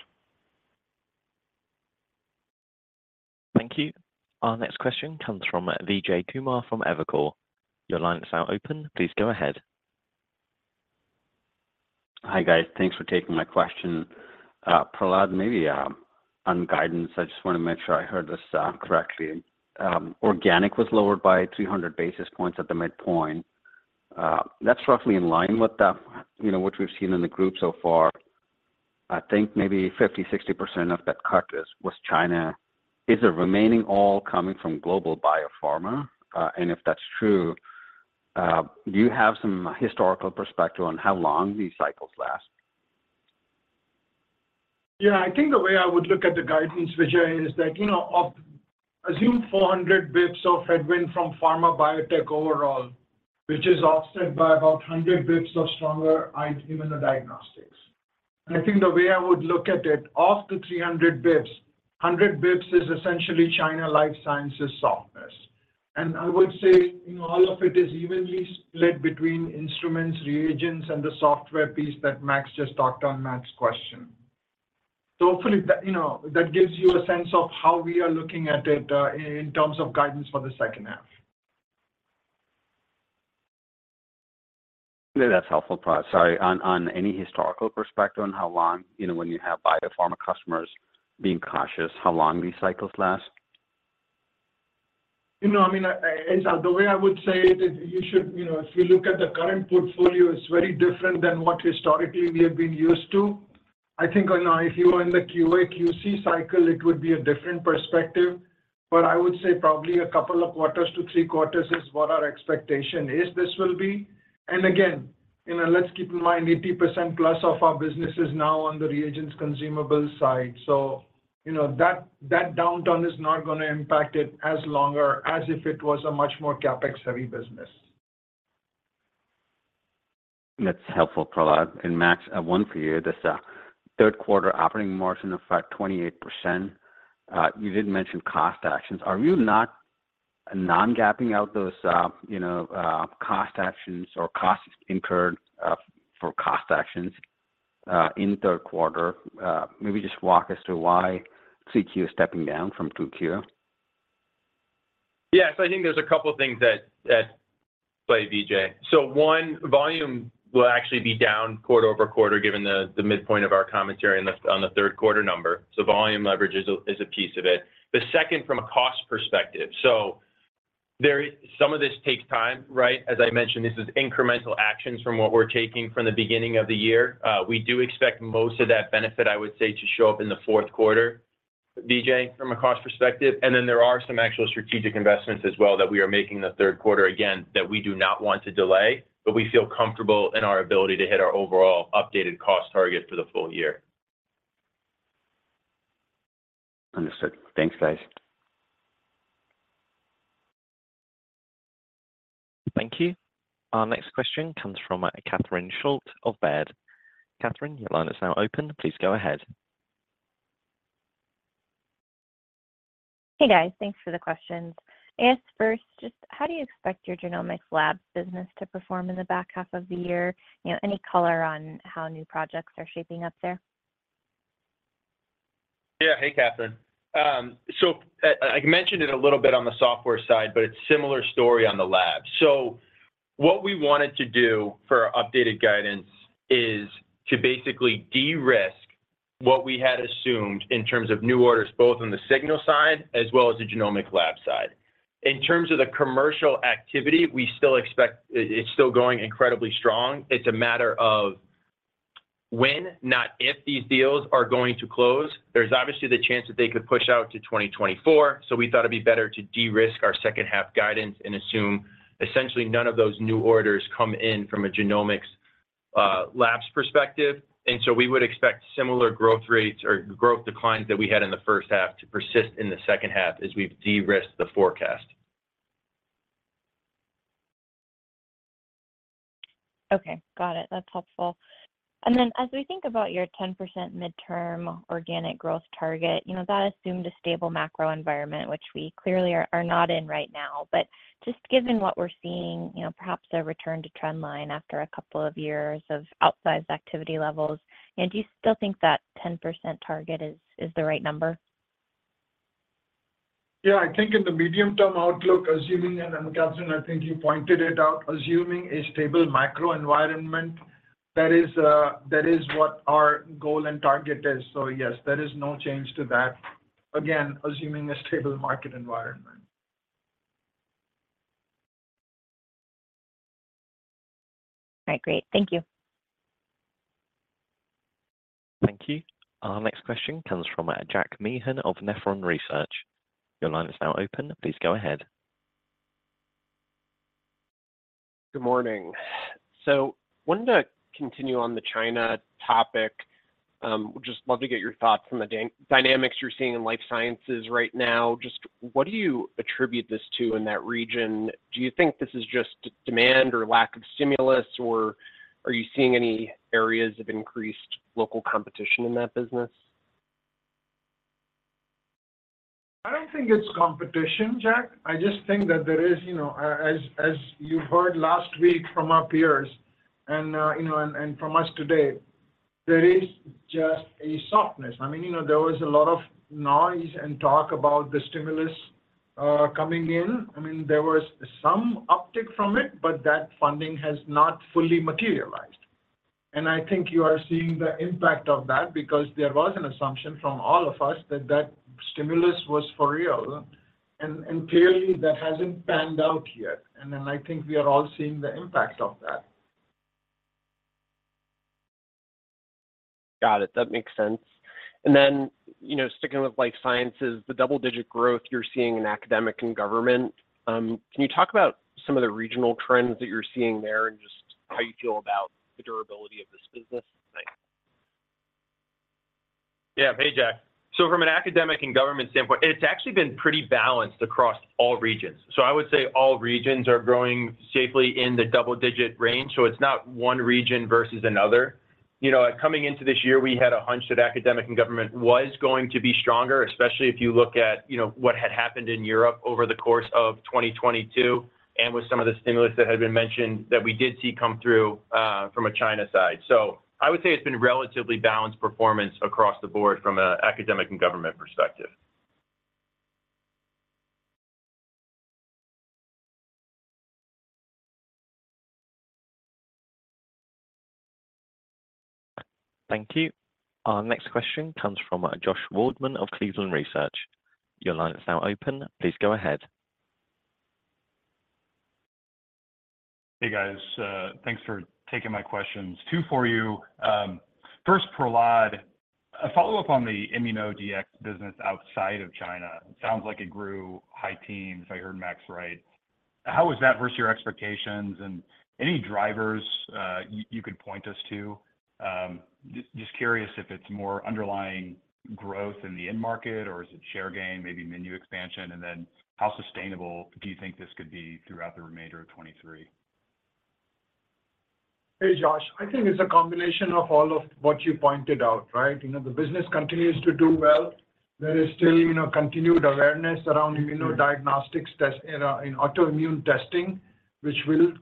Thank you. Our next question comes from Vijay Kumar from Evercore. Your line is now open. Please go ahead. Hi, guys. Thanks for taking my question. Prahlad, maybe on guidance, I just want to make sure I heard this correctly. Organic was lowered by 300 basis points at the midpoint. That's roughly in line with the, you know, what we've seen in the group so far. I think maybe 50%, 60% of that cut is, was China. Is the remaining all coming from global biopharma? And if that's true, do you have some historical perspective on how long these cycles last? Yeah, I think the way I would look at the guidance, Vijay, is that, you know, of assume 400 basis points of headwind from pharma biotech overall, which is offset by about 100 basis points of stronger item in the Diagnostics. I think the way I would look at it, of the 300 basis points, 100 basis points is essentially China Life Sciences softness. I would say, you know, all of it is evenly split between instruments, reagents, and the software piece that Max just talked on Matt's question. Hopefully that, you know, that gives you a sense of how we are looking at it, in terms of guidance for the second half. Yeah, that's helpful, Prahlad. Sorry, on any historical perspective on how long, you know, when you have biopharma customers being cautious, how long these cycles last? You know, I mean, I, the way I would say it is, you know, if you look at the current portfolio, it's very different than what historically we have been used to. I think, if you were in the QA, QC cycle, it would be a different perspective, but I would say probably two quarters to three quarters is what our expectation is this will be. Again, you know, let's keep in mind, 80% plus of our business is now on the reagents consumable side, you know, that downturn is not going to impact it as longer as if it was a much more CapEx-heavy business. That's helpful, Prahlad. Max, I have one for you. This third quarter operating margin of 28%, you did mention cost actions. Are you not non-GAAP-ing out those, you know, cost actions or costs incurred, for cost actions, in third quarter? Maybe just walk us through why CQ is stepping down from 2Q. Yes, I think there's a couple of things that, that play, Vijay. One, volume will actually be down quarter-over-quarter, given the, the midpoint of our commentary on the, on the third quarter number. Volume leverage is a, is a piece of it. The second, from a cost perspective, some of this takes time, right? As I mentioned, this is incremental actions from what we're taking from the beginning of the year. We do expect most of that benefit, I would say, to show up in the fourth quarter, Vijay, from a cost perspective. There are some actual strategic investments as well that we are making in the third quarter, again, that we do not want to delay, but we feel comfortable in our ability to hit our overall updated cost target for the full year. Understood. Thanks, guys. Thank you. Our next question comes from Catherine Schulte of Baird. Catherine, your line is now open. Please go ahead. Hey, guys. Thanks for the questions. I ask first, just how do you expect your genomics labs business to perform in the back half of the year? You know, any color on how new projects are shaping up there? Yeah. Hey, Catherine. I, I mentioned it a little bit on the software side, but it's a similar story on the lab. What we wanted to do for our updated guidance is to basically de-risk what we had assumed in terms of new orders, both on the Signals side as well as the genomic lab side. In terms of the commercial activity, we still expect, it, it's still going incredibly strong. It's a matter of when, not if these deals are going to close. There's obviously the chance that they could push out to 2024, so we thought it'd be better to de-risk our second half guidance and assume essentially none of those new orders come in from a genomics labs perspective. We would expect similar growth rates or growth declines that we had in the 1st half to persist in the second half as we've de-risked the forecast. Okay, got it. That's helpful. As we think about your 10% midterm organic growth target, you know, that assumed a stable macro environment, which we clearly are not in right now. Just given what we're seeing, you know, perhaps a return to trend line after a couple of years of outsized activity levels, do you still think that 10% target is the right number? Yeah, I think in the medium-term outlook, assuming, and, and Catherine, I think you pointed it out, assuming a stable macro environment, that is, that is what our goal and target is. Yes, there is no change to that. Again, assuming a stable market environment. All right, great. Thank you. Thank you. Our next question comes from Jack Meehan of Nephron Research. Your line is now open. Please go ahead. Good morning. Wanted to continue on the China topic. Would just love to get your thoughts on the dynamics you're seeing in Life Sciences right now. Just what do you attribute this to in that region? Do you think this is just demand or lack of stimulus, or are you seeing any areas of increased local competition in that business? I don't think it's competition, Jack. I just think that there is, you know, as, as you heard last week from our peers and, you know, and from us today, there is just a softness. I mean, you know, there was a lot of noise and talk about the stimulus coming in. I mean, there was some uptick from it, but that funding has not fully materialized, and I think you are seeing the impact of that because there was an assumption from all of us that that stimulus was for real, and, and clearly, that hasn't panned out yet. I think we are all seeing the impact of that. Got it. That makes sense. Then, you know, sticking with Life Sciences, the double-digit growth you're seeing in academic and government, can you talk about some of the regional trends that you're seeing there and just how you feel about the durability of this business? Thanks. Yeah. Hey, Jack. From an academic and government standpoint, it's actually been pretty balanced across all regions. I would say all regions are growing safely in the double-digit range, so it's not one region versus another. You know, coming into this year, we had a hunch that academic and government was going to be stronger, especially if you look at, you know, what had happened in Europe over the course of 2022, and with some of the stimulus that had been mentioned that we did see come through from a China side. I would say it's been relatively balanced performance across the board from an academic and government perspective. Thank you. Our next question comes from Josh Waldman of Cleveland Research. Your line is now open. Please go ahead. Hey, guys. Thanks for taking my questions. Two for you. First, Prahlad, a follow-up on the ImmunoDX business outside of China. It sounds like it grew high-teens, if I heard Max right. How was that versus your expectations? Any drivers you, you could point us to? Just curious if it's more underlying growth in the end market, or is it share gain, maybe menu expansion? How sustainable do you think this could be throughout the remainder of 2023? Hey, Josh. I think it's a combination of all of what you pointed out, right? You know, the business continues to do well. There is still, you know, continued awareness around immunodiagnostics test in autoimmune testing, which will,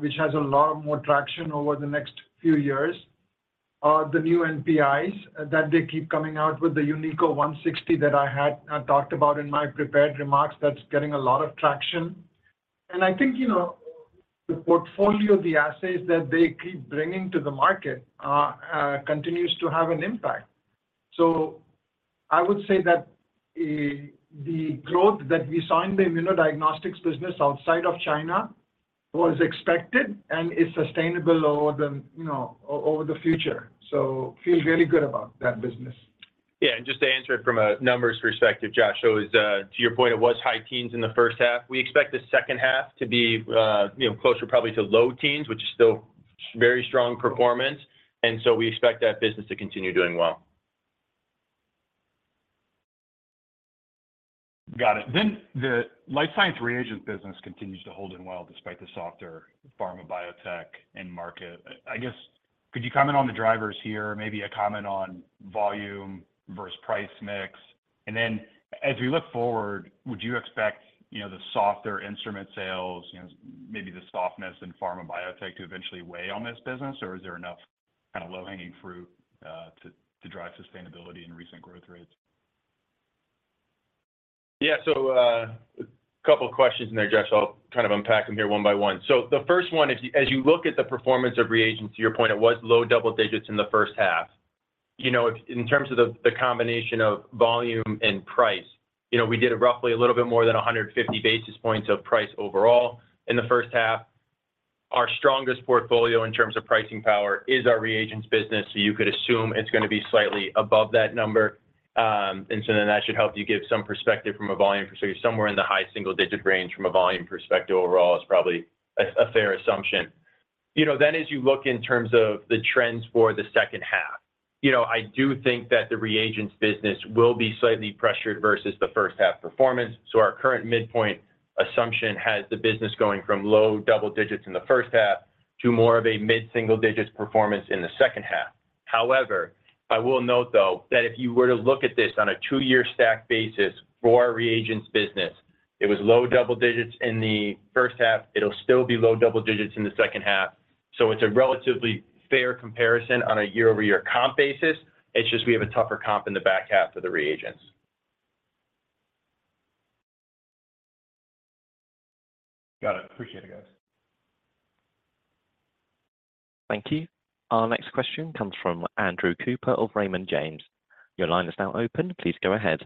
which has a lot more traction over the next few years. The new NPIs, that they keep coming out with, the UNIQO 160 that I had talked about in my prepared remarks, that's getting a lot of traction. I think, you know, the portfolio of the assays that they keep bringing to the market, continues to have an impact. I would say that the, the growth that we saw in the immunodiagnostics business outside of China was expected and is sustainable over the, you know, over the future. Feel very good about that business. Yeah, and just to answer it from a numbers perspective, Josh, so, to your point, it was high-teens in the first half. We expect the second half to be, you know, closer probably to low teens, which is still very strong performance, and so we expect that business to continue doing well. Got it. The Life Sciences reagents business continues to hold in well, despite the softer pharma biotech end market. I guess, could you comment on the drivers here? Maybe a comment on volume versus price mix. As we look forward, would you expect, you know, the softer instrument sales, you know, maybe the softness in pharma biotech to eventually weigh on this business, or is there enough kind of low-hanging fruit, to drive sustainability and recent growth rates? Yeah. A couple of questions in there, Josh. I'll kind of unpack them here one by one. The first one, as you look at the performance of reagents, to your point, it was low double digits in the first half. You know, in terms of the, the combination of volume and price, you know, we did it roughly a little bit more than 150 basis points of price overall in the first half. Our strongest portfolio in terms of pricing power is our reagents business, so you could assume it's gonna be slightly above that number. And so then that should help you give some perspective from a volume perspective, somewhere in the high single-digit range from a volume perspective overall is probably a, a fair assumption. You know, as you look in terms of the trends for the second half, you know, I do think that the reagents business will be slightly pressured versus the first half performance. Our current midpoint assumption has the business going from low double digits in the first half to more of a mid-single-digits performance in the second half. However, I will note, though, that if you were to look at this on a two-year stack basis for our reagents business, it was low double digits in the first half. It'll still be low double digits in the second half, so it's a relatively fair comparison on a year-over-year comp basis. It's just we have a tougher comp in the back half of the reagents. Got it. Appreciate it, guys. Thank you. Our next question comes from Andrew Cooper of Raymond James. Your line is now open. Please go ahead.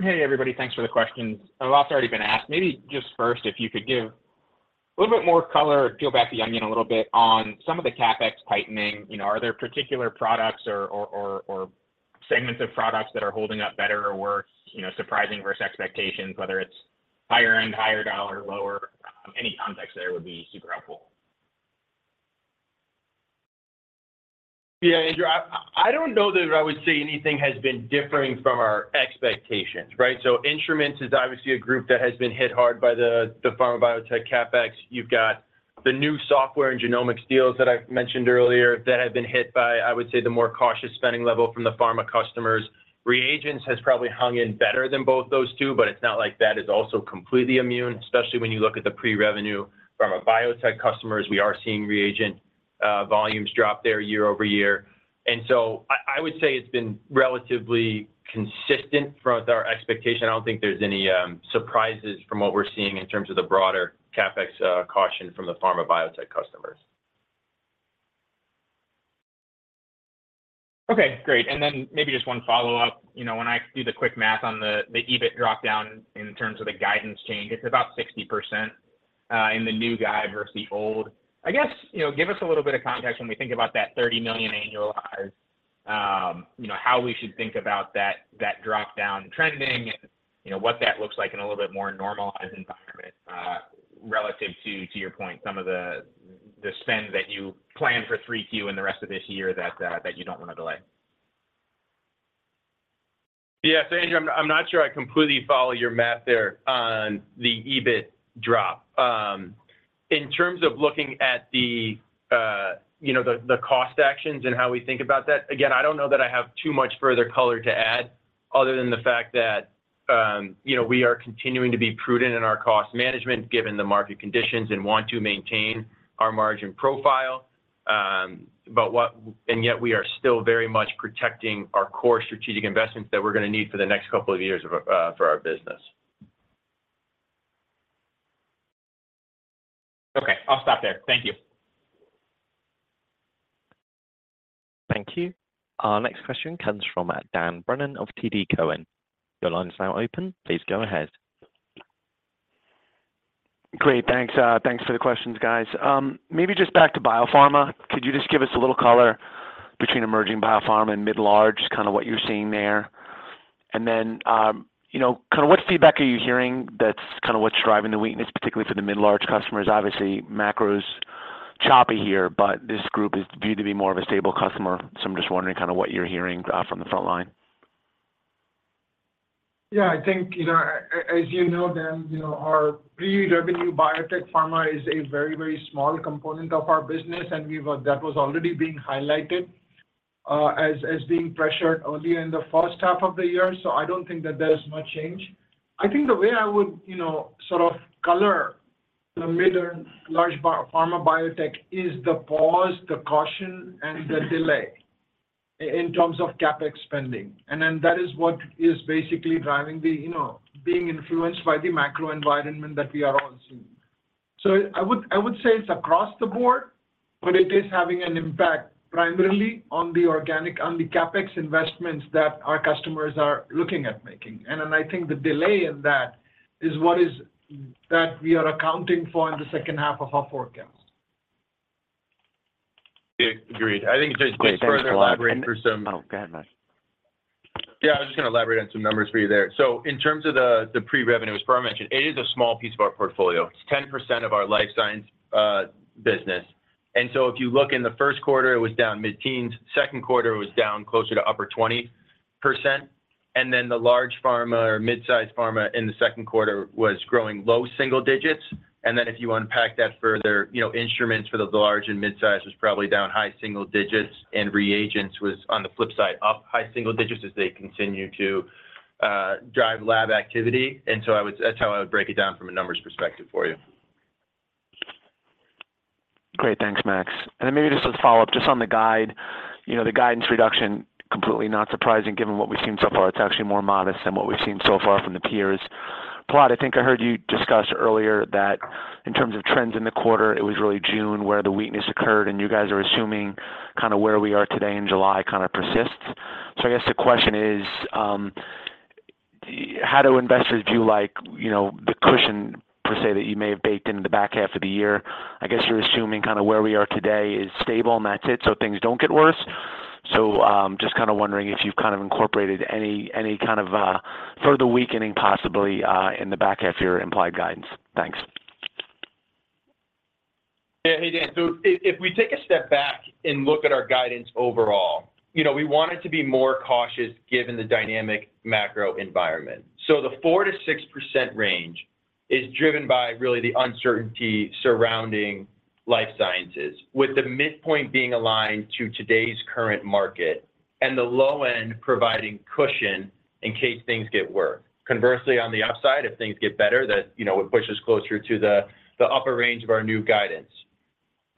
Hey, everybody. Thanks for the questions that have also already been asked. Maybe just first, if you could give a little bit more color, peel back the onion a little bit on some of the CapEx tightening. You know, are there particular products or segments of products that are holding up better or worse, you know, surprising versus expectations, whether it's higher end, higher dollar, lower? Any context there would be super helpful. Yeah, Andrew, I, I don't know that I would say anything has been differing from our expectations, right? So Instruments is obviously a group that has been hit hard by the, the pharma biotech CapEx. You've got the new software and genomics deals that I mentioned earlier that have been hit by, I would say, the more cautious spending level from the pharma customers. Reagents has probably hung in better than both those two, but it's not like that is also completely immune, especially when you look at the pre-revenue pharma biotech customers. We are seeing reagent volumes drop there year-over-year. I, I would say it's been relatively consistent from our expectation. I don't think there's any surprises from what we're seeing in terms of the broader CapEx caution from the pharma biotech customers. Okay, great. Then maybe just one follow-up. You know, when I do the quick math on the, the EBIT drop-down in terms of the guidance change, it's about 60% in the new guide versus the old. I guess, you know, give us a little bit of context when we think about that $30 million annualized, you know, how we should think about that, that drop-down trending and, you know, what that looks like in a little bit more normalized environment, relative to, to your point, some of the, the spend that you plan for 3Q in the rest of this year that you don't want to delay. Yeah. Andrew, I'm, I'm not sure I completely follow your math there on the EBIT drop. In terms of looking at the, you know, the, the cost actions and how we think about that, again, I don't know that I have too much further color to add other than the fact that, you know, we are continuing to be prudent in our cost management, given the market conditions, and want to maintain our margin profile. Yet we are still very much protecting our core strategic investments that we're going to need for the next couple of years of, for our business. Okay, I'll stop there. Thank you. Thank you. Our next question comes from Dan Brennan of TD Cowen. Your line is now open. Please go ahead. Great, thanks, thanks for the questions, guys. Maybe just back to biopharma, could you just give us a little color between emerging biopharma and mid-large, kind of what you're seeing there? You know, kind of what feedback are you hearing that's kind of what's driving the weakness, particularly for the mid-large customers? Obviously, macro's choppy here, but this group is viewed to be more of a stable customer. I'm just wondering kind of what you're hearing from the front line. Yeah, I think, you know, as you know, Dan, you know, our pre-revenue biotech pharma is a very, very small component of our business, and we were that was already being highlighted as being pressured early in the first half of the year, so I don't think that there is much change. I think the way I would, you know, sort of color the mid and large pharma biotech is the pause, the caution, and the delay in terms of CapEx spending. Then that is what is basically driving the, you know, being influenced by the macro environment that we are all seeing. I would, I would say it's across the board, but it is having an impact primarily on the organic, on the CapEx investments that our customers are looking at making. I think the delay in that is what is, that we are accounting for in the second half of our forecast. Agreed. I think just to further elaborate for. (crosstalk) Oh, go ahead, Max. Yeah, I was just gonna elaborate on some numbers for you there. In terms of the, the pre-revenue, as Padma mentioned, it is a small piece of our portfolio. It's 10% of our Life Sciences business. If you look in the first quarter, it was down mid-teens, second quarter, it was down closer to upper 20%, and then the large pharma or mid-size pharma in the second quarter was growing low single-digits. If you unpack that further, you know, instruments for the large and midsize was probably down high single-digits, and reagents was, on the flip side, up high single-digits as they continue to drive lab activity. That's how I would break it down from a numbers perspective for you. Great, thanks, Max. Then maybe just let's follow up just on the guide. You know, the guidance reduction, completely not surprising, given what we've seen so far. It's actually more modest than what we've seen so far from the peers. P, I think I heard you discuss earlier that in terms of trends in the quarter, it was really June where the weakness occurred, and you guys are assuming kind of where we are today in July, kind of persists. I guess the question is, how do investors view like, you know, the cushion per se, that you may have baked in the back half of the year? I guess you're assuming kind of where we are today is stable and that's it, so things don't get worse. Just kind of wondering if you've kind of incorporated any, any kind of further weakening, possibly, in the back half of your implied guidance. Thanks. Yeah. Hey, Dan, if we take a step back and look at our guidance overall, you know, we want it to be more cautious given the dynamic macro environment. The 4%-6% range is driven by really the uncertainty surrounding Life Sciences, with the midpoint being aligned to today's current market and the low end providing cushion in case things get worse. Conversely, on the upside, if things get better, that, you know, it pushes closer to the, the upper range of our new guidance.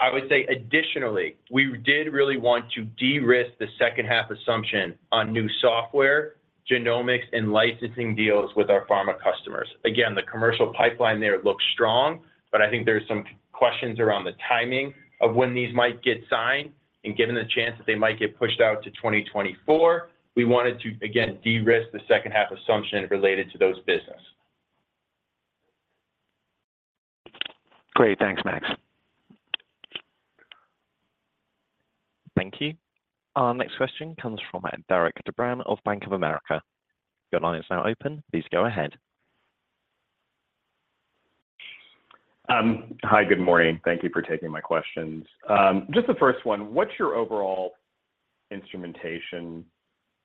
I would say additionally, we did really want to de-risk the second half assumption on new software, genomics, and licensing deals with our pharma customers. The commercial pipeline there looks strong, but I think there's some questions around the timing of when these might get signed. Given the chance that they might get pushed out to 2024, we wanted to, again, de-risk the second half assumption related to those business. Great, thanks, Max. Thank you. Our next question comes from Derik De Bruin of Bank of America. Your line is now open. Please go ahead. Hi, good morning. Thank you for taking my questions. Just the first one, what's your overall instrumentation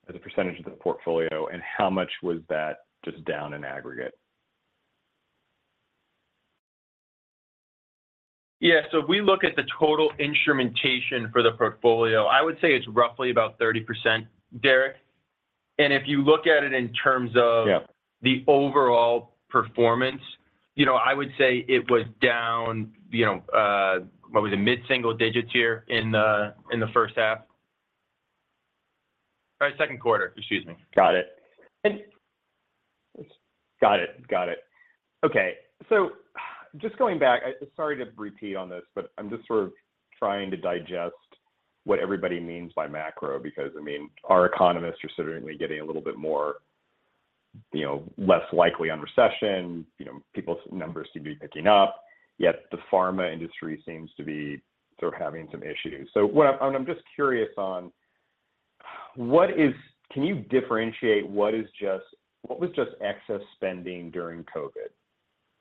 as a percentage of the portfolio, and how much was that just down in aggregate? Yeah, if we look at the total instrumentation for the portfolio, I would say it's roughly about 30%, Derik. If you look at it in terms of Yep. the overall performance, you know, I would say it was down, you know, what was it? Mid-single-digits here in the, in the first half, or second quarter, excuse me. Got it. Got it. Okay, so, just going back, sorry to repeat on this, but I'm just sort of trying to digest what everybody means by macro, because, I mean, our economists are certainly getting a little bit more, you know, less likely on recession. You know, people's numbers seem to be picking up, yet the pharma industry seems to be sort of having some issues. I'm just curious on, can you differentiate what was just excess spending during COVID,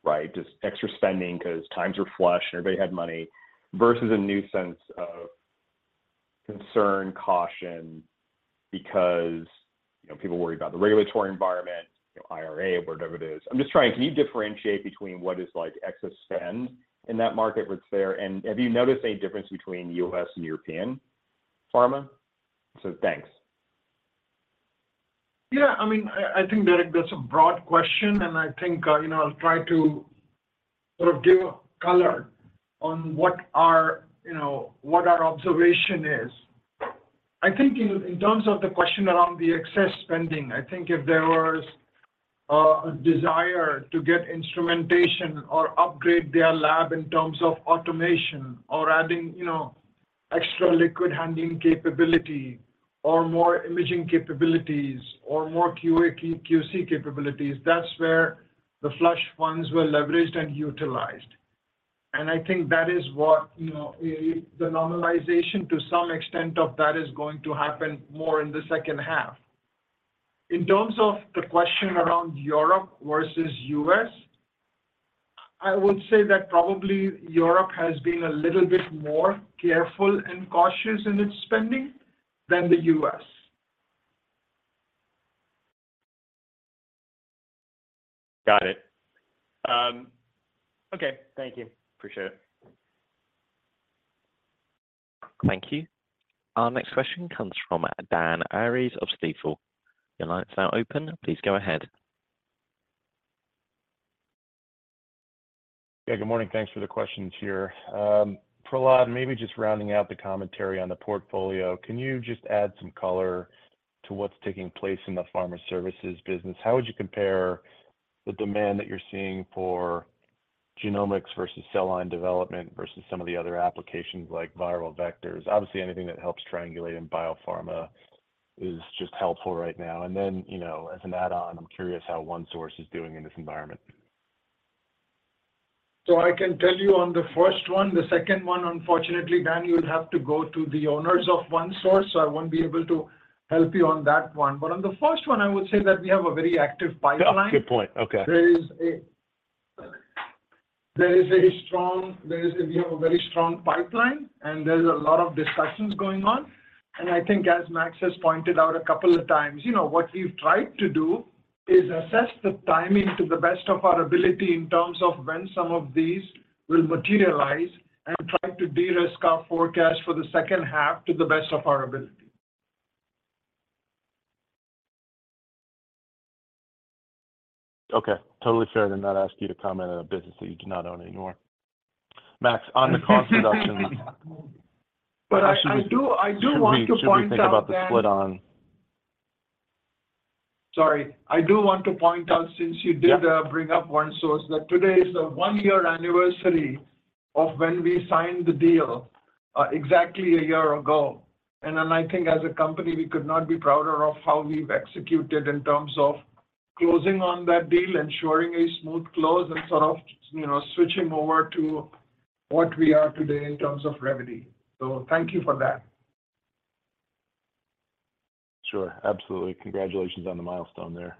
right? Just extra spending 'cause times were flush and everybody had money, versus a new sense of concern, caution, because, you know, people worry about the regulatory environment, you know, IRA, whatever it is. I'm just trying, can you differentiate between what is, like, excess spend in that market what's there? Have you noticed a difference between US and European pharma? Thanks. Yeah, I mean, I, I think, Derik, that's a broad question, and I think, you know, I'll try to sort of give color on what our, you know, what our observation is. I think in, in terms of the question around the excess spending, I think if there was a, a desire to get instrumentation or upgrade their lab in terms of automation or adding, you know, extra liquid handling capability or more imaging capabilities or more QA, QC capabilities, that's where the flush funds were leveraged and utilized. I think that is what, you know, the normalization to some extent of that is going to happen more in the second half. In terms of the question around Europe versus US, I would say that probably Europe has been a little bit more careful and cautious in its spending than the US. Got it. Okay. Thank you. Appreciate it. Thank you. Our next question comes from Dan Arias of Stifel. Your line is now open. Please go ahead. Yeah, good morning. Thanks for the questions here. Prahlad, maybe just rounding out the commentary on the portfolio, can you just add some color to what's taking place in the pharma services business? How would you compare the demand that you're seeing for genomics versus cell line development versus some of the other applications like viral vectors? Obviously, anything that helps triangulate in biopharma is just helpful right now. Then, you know, as an add-on, I'm curious how OneSource is doing in this environment. I can tell you on the first one. The second one, unfortunately, Dan, you would have to go to the owners of OneSource, so I wouldn't be able to help you on that one. On the first one, I would say that we have a very active pipeline. Yeah, good point. Okay. There is a very strong pipeline, and there's a lot of discussions going on. I think as Max has pointed out a couple of times, you know, what we've tried to do is assess the timing to the best of our ability in terms of when some of these will materialize and try to de-risk our forecast for the second half to the best of our ability. Okay, totally fair to not ask you to comment on a business that you do not own anymore. Max, on the cost reductions- I do want to point out that. Should we, should we think about the split on Sorry. I do want to point out, since you did (crosstalk) bring up OneSource, that today is the one-year anniversary of when we signed the deal, exactly a year ago. I think as a company, we could not be prouder of how we've executed in terms of closing on that deal, ensuring a smooth close, and sort of, you know, switching over to what we are today in terms of revenue. Thank you for that. Sure. Absolutely. Congratulations on the milestone there.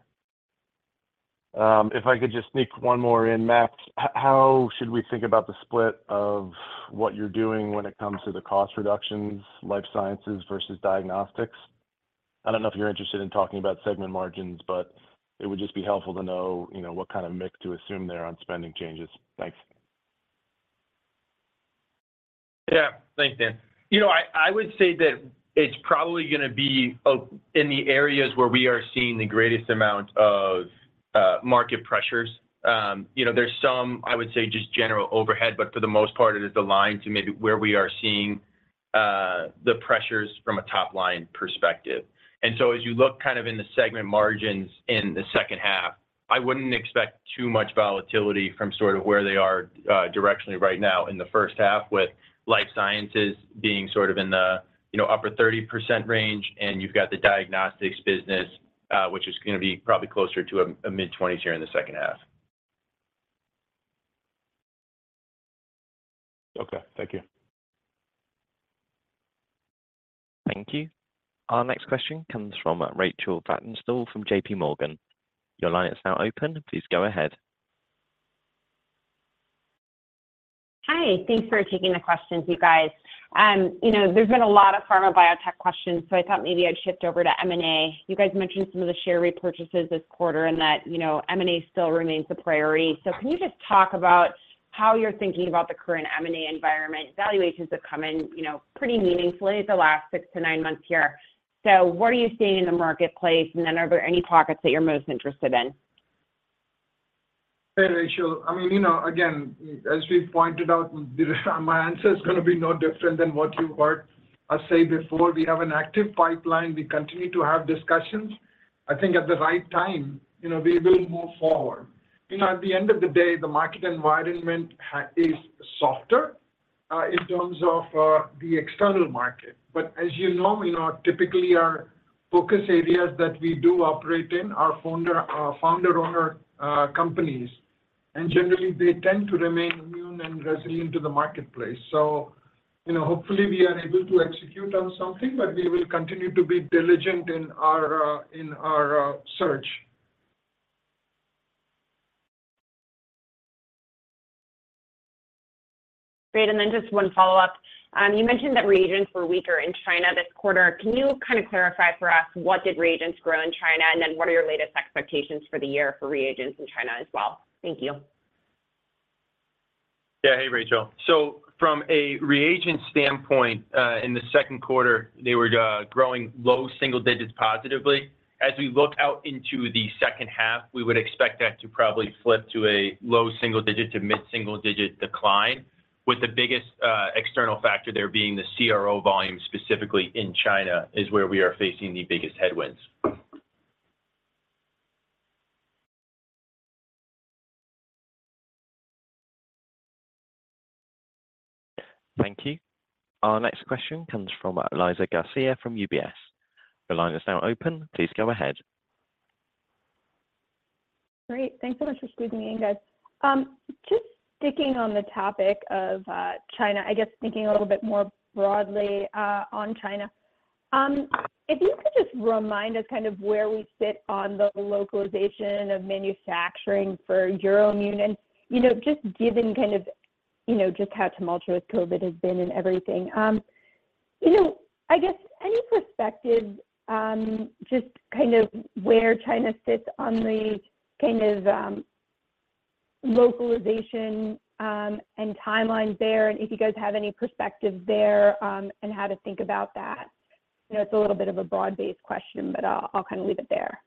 If I could just sneak one more in, Max. How should we think about the split of what you're doing when it comes to the cost reductions, Life Sciences versus Diagnostics? I don't know if you're interested in talking about segment margins, but it would just be helpful to know, you know, what kind of mix to assume there on spending changes. Thanks. Yeah. Thanks, Dan. You know, I, I would say that it's probably gonna be in the areas where we are seeing the greatest amount of, market pressures. You know, there's some, I would say, just general overhead, but for the most part, it is aligned to maybe where we are seeing, the pressures from a top-line perspective. So as you look kind of in the segment margins in the second half, I wouldn't expect too much volatility from sort of where they are, directionally right now in the first half, with Life Sciences being sort of in the, you know, upper 30% range, and you've got the Diagnostics business, which is gonna be probably closer to a, a mid-20s here in the second half. Okay. Thank you. Thank you. Our next question comes from Rachel Vatnsdal from JPMorgan. Your line is now open. Please go ahead. Hi. Thanks for taking the questions, you guys. You know, there's been a lot of pharma biotech questions, I thought maybe I'd shift over to M&A. You guys mentioned some of the share repurchases this quarter and that, you know, M&A still remains a priority. Can you just talk about how you're thinking about the current M&A environment? Valuations have come in, you know, pretty meaningfully the last six to nine months here. What are you seeing in the marketplace, and then are there any pockets that you're most interested in? Hey, Rachel. I mean, you know, again, as we pointed out, my answer is gonna be no different than what you heard us say before. We have an active pipeline. We continue to have discussions. I think at the right time, you know, we will move forward. You know, at the end of the day, the market environment is softer in terms of the external market. As you know, you know, typically, our focus areas that we do operate in are founder, are founder-owner companies, and generally, they tend to remain immune and resilient to the marketplace. You know, hopefully, we are able to execute on something, but we will continue to be diligent in our, in our search. Great. Then just one follow-up. You mentioned that reagents were weaker in China this quarter. Can you kind of clarify for us, what did reagents grow in China? Then what are your latest expectations for the year for reagents in China as well? Thank you. Yeah. Hey, Rachel. From a reagent standpoint, in the second quarter, they were growing low single-digits positively. As we look out into the second half, we would expect that to probably flip to a low single-digit to mid single-digit decline, with the biggest external factor there being the CRO volume, specifically in China, is where we are facing the biggest headwinds. Thank you. Our next question comes from Elizabeth Garcia from UBS. The line is now open. Please go ahead. Great. Thanks so much for squeezing me in, guys. Just sticking on the topic of China, I guess thinking a little bit more broadly on China. If you could just remind us kind of where we sit on the localization of manufacturing for Euroimmun and, you know, just given kind of, you know, just how tumultuous COVID has been and everything. You know, I guess any perspective just kind of where China sits on the kind of localization and timelines there, and if you guys have any perspective there, and how to think about that? You know, it's a little bit of a broad-based question, but I'll, I'll kind of leave it there.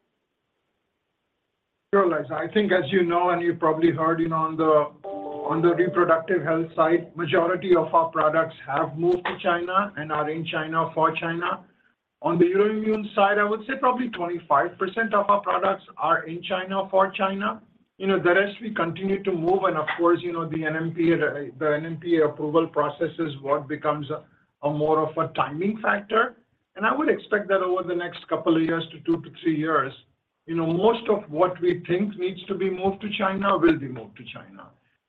Sure, Eliza. I think, as you know, and you've probably heard, you know, on the, on the reproductive health side, majority of our products have moved to China and are in China for China. On the Euroimmun side, I would say probably 25% of our products are in China for China. You know, the rest we continue to move, and of course, you know, the NMPA, the NMPA approval process is what becomes a, a more of a timing factor. I would expect that over the next couple of years to 2-3 years, you know, most of what we think needs to be moved to China will be moved to China.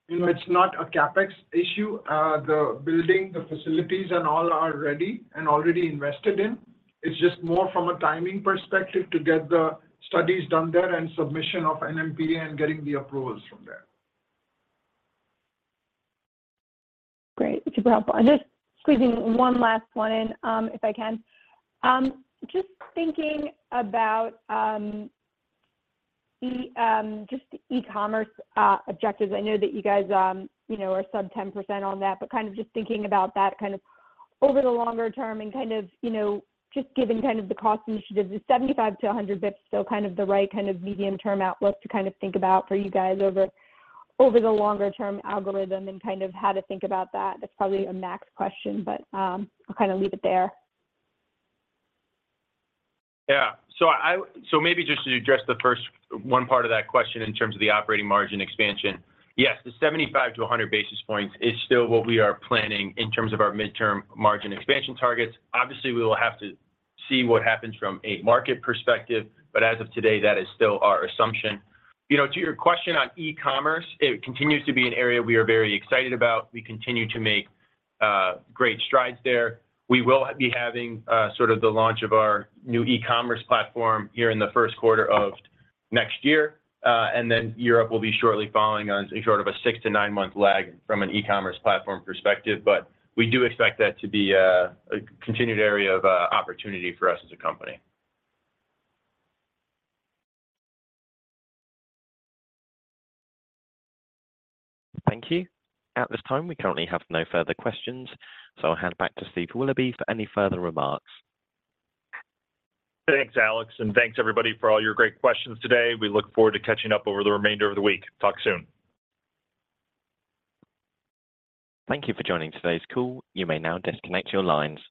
You know, it's not a CapEx issue. The building, the facilities, and all are ready and already invested in. It's just more from a timing perspective to get the studies done there and submission of NMPA and getting the approvals from there. Great. Super helpful. I'm just squeezing one last one in, if I can. Just thinking about e-commerce objectives. I know that you guys, you know, are sub 10% on that, but kind of just thinking about that kind of over the longer term and kind of, you know, just given kind of the cost initiatives, is 75 to 100 basis points still kind of the right kind of medium-term outlook to kind of think about for you guys over, over the longer term algorithm and kind of how to think about that? That's probably a Max question, but, I'll kind of leave it there. Yeah. Maybe just to address the first one part of that question in terms of the operating margin expansion. Yes, the 75-100 basis points is still what we are planning in terms of our midterm margin expansion targets. Obviously, we will have to see what happens from a market perspective, but as of today, that is still our assumption. You know, to your question on e-commerce, it continues to be an area we are very excited about. We continue to make great strides there. We will be having sort of the launch of our new e-commerce platform here in the 1st quarter of next year, and then Europe will be shortly following on sort of a six to nine month lag from re-commerce platform perspective. We do expect that to be a continued area of opportunity for us as a company. Thank you. At this time, we currently have no further questions. I'll hand it back to Steve Willoughby for any further remarks. Thanks, Alex, and thanks everybody for all your great questions today. We look forward to catching up over the remainder of the week. Talk soon. Thank you for joining today's call. You may now disconnect your lines.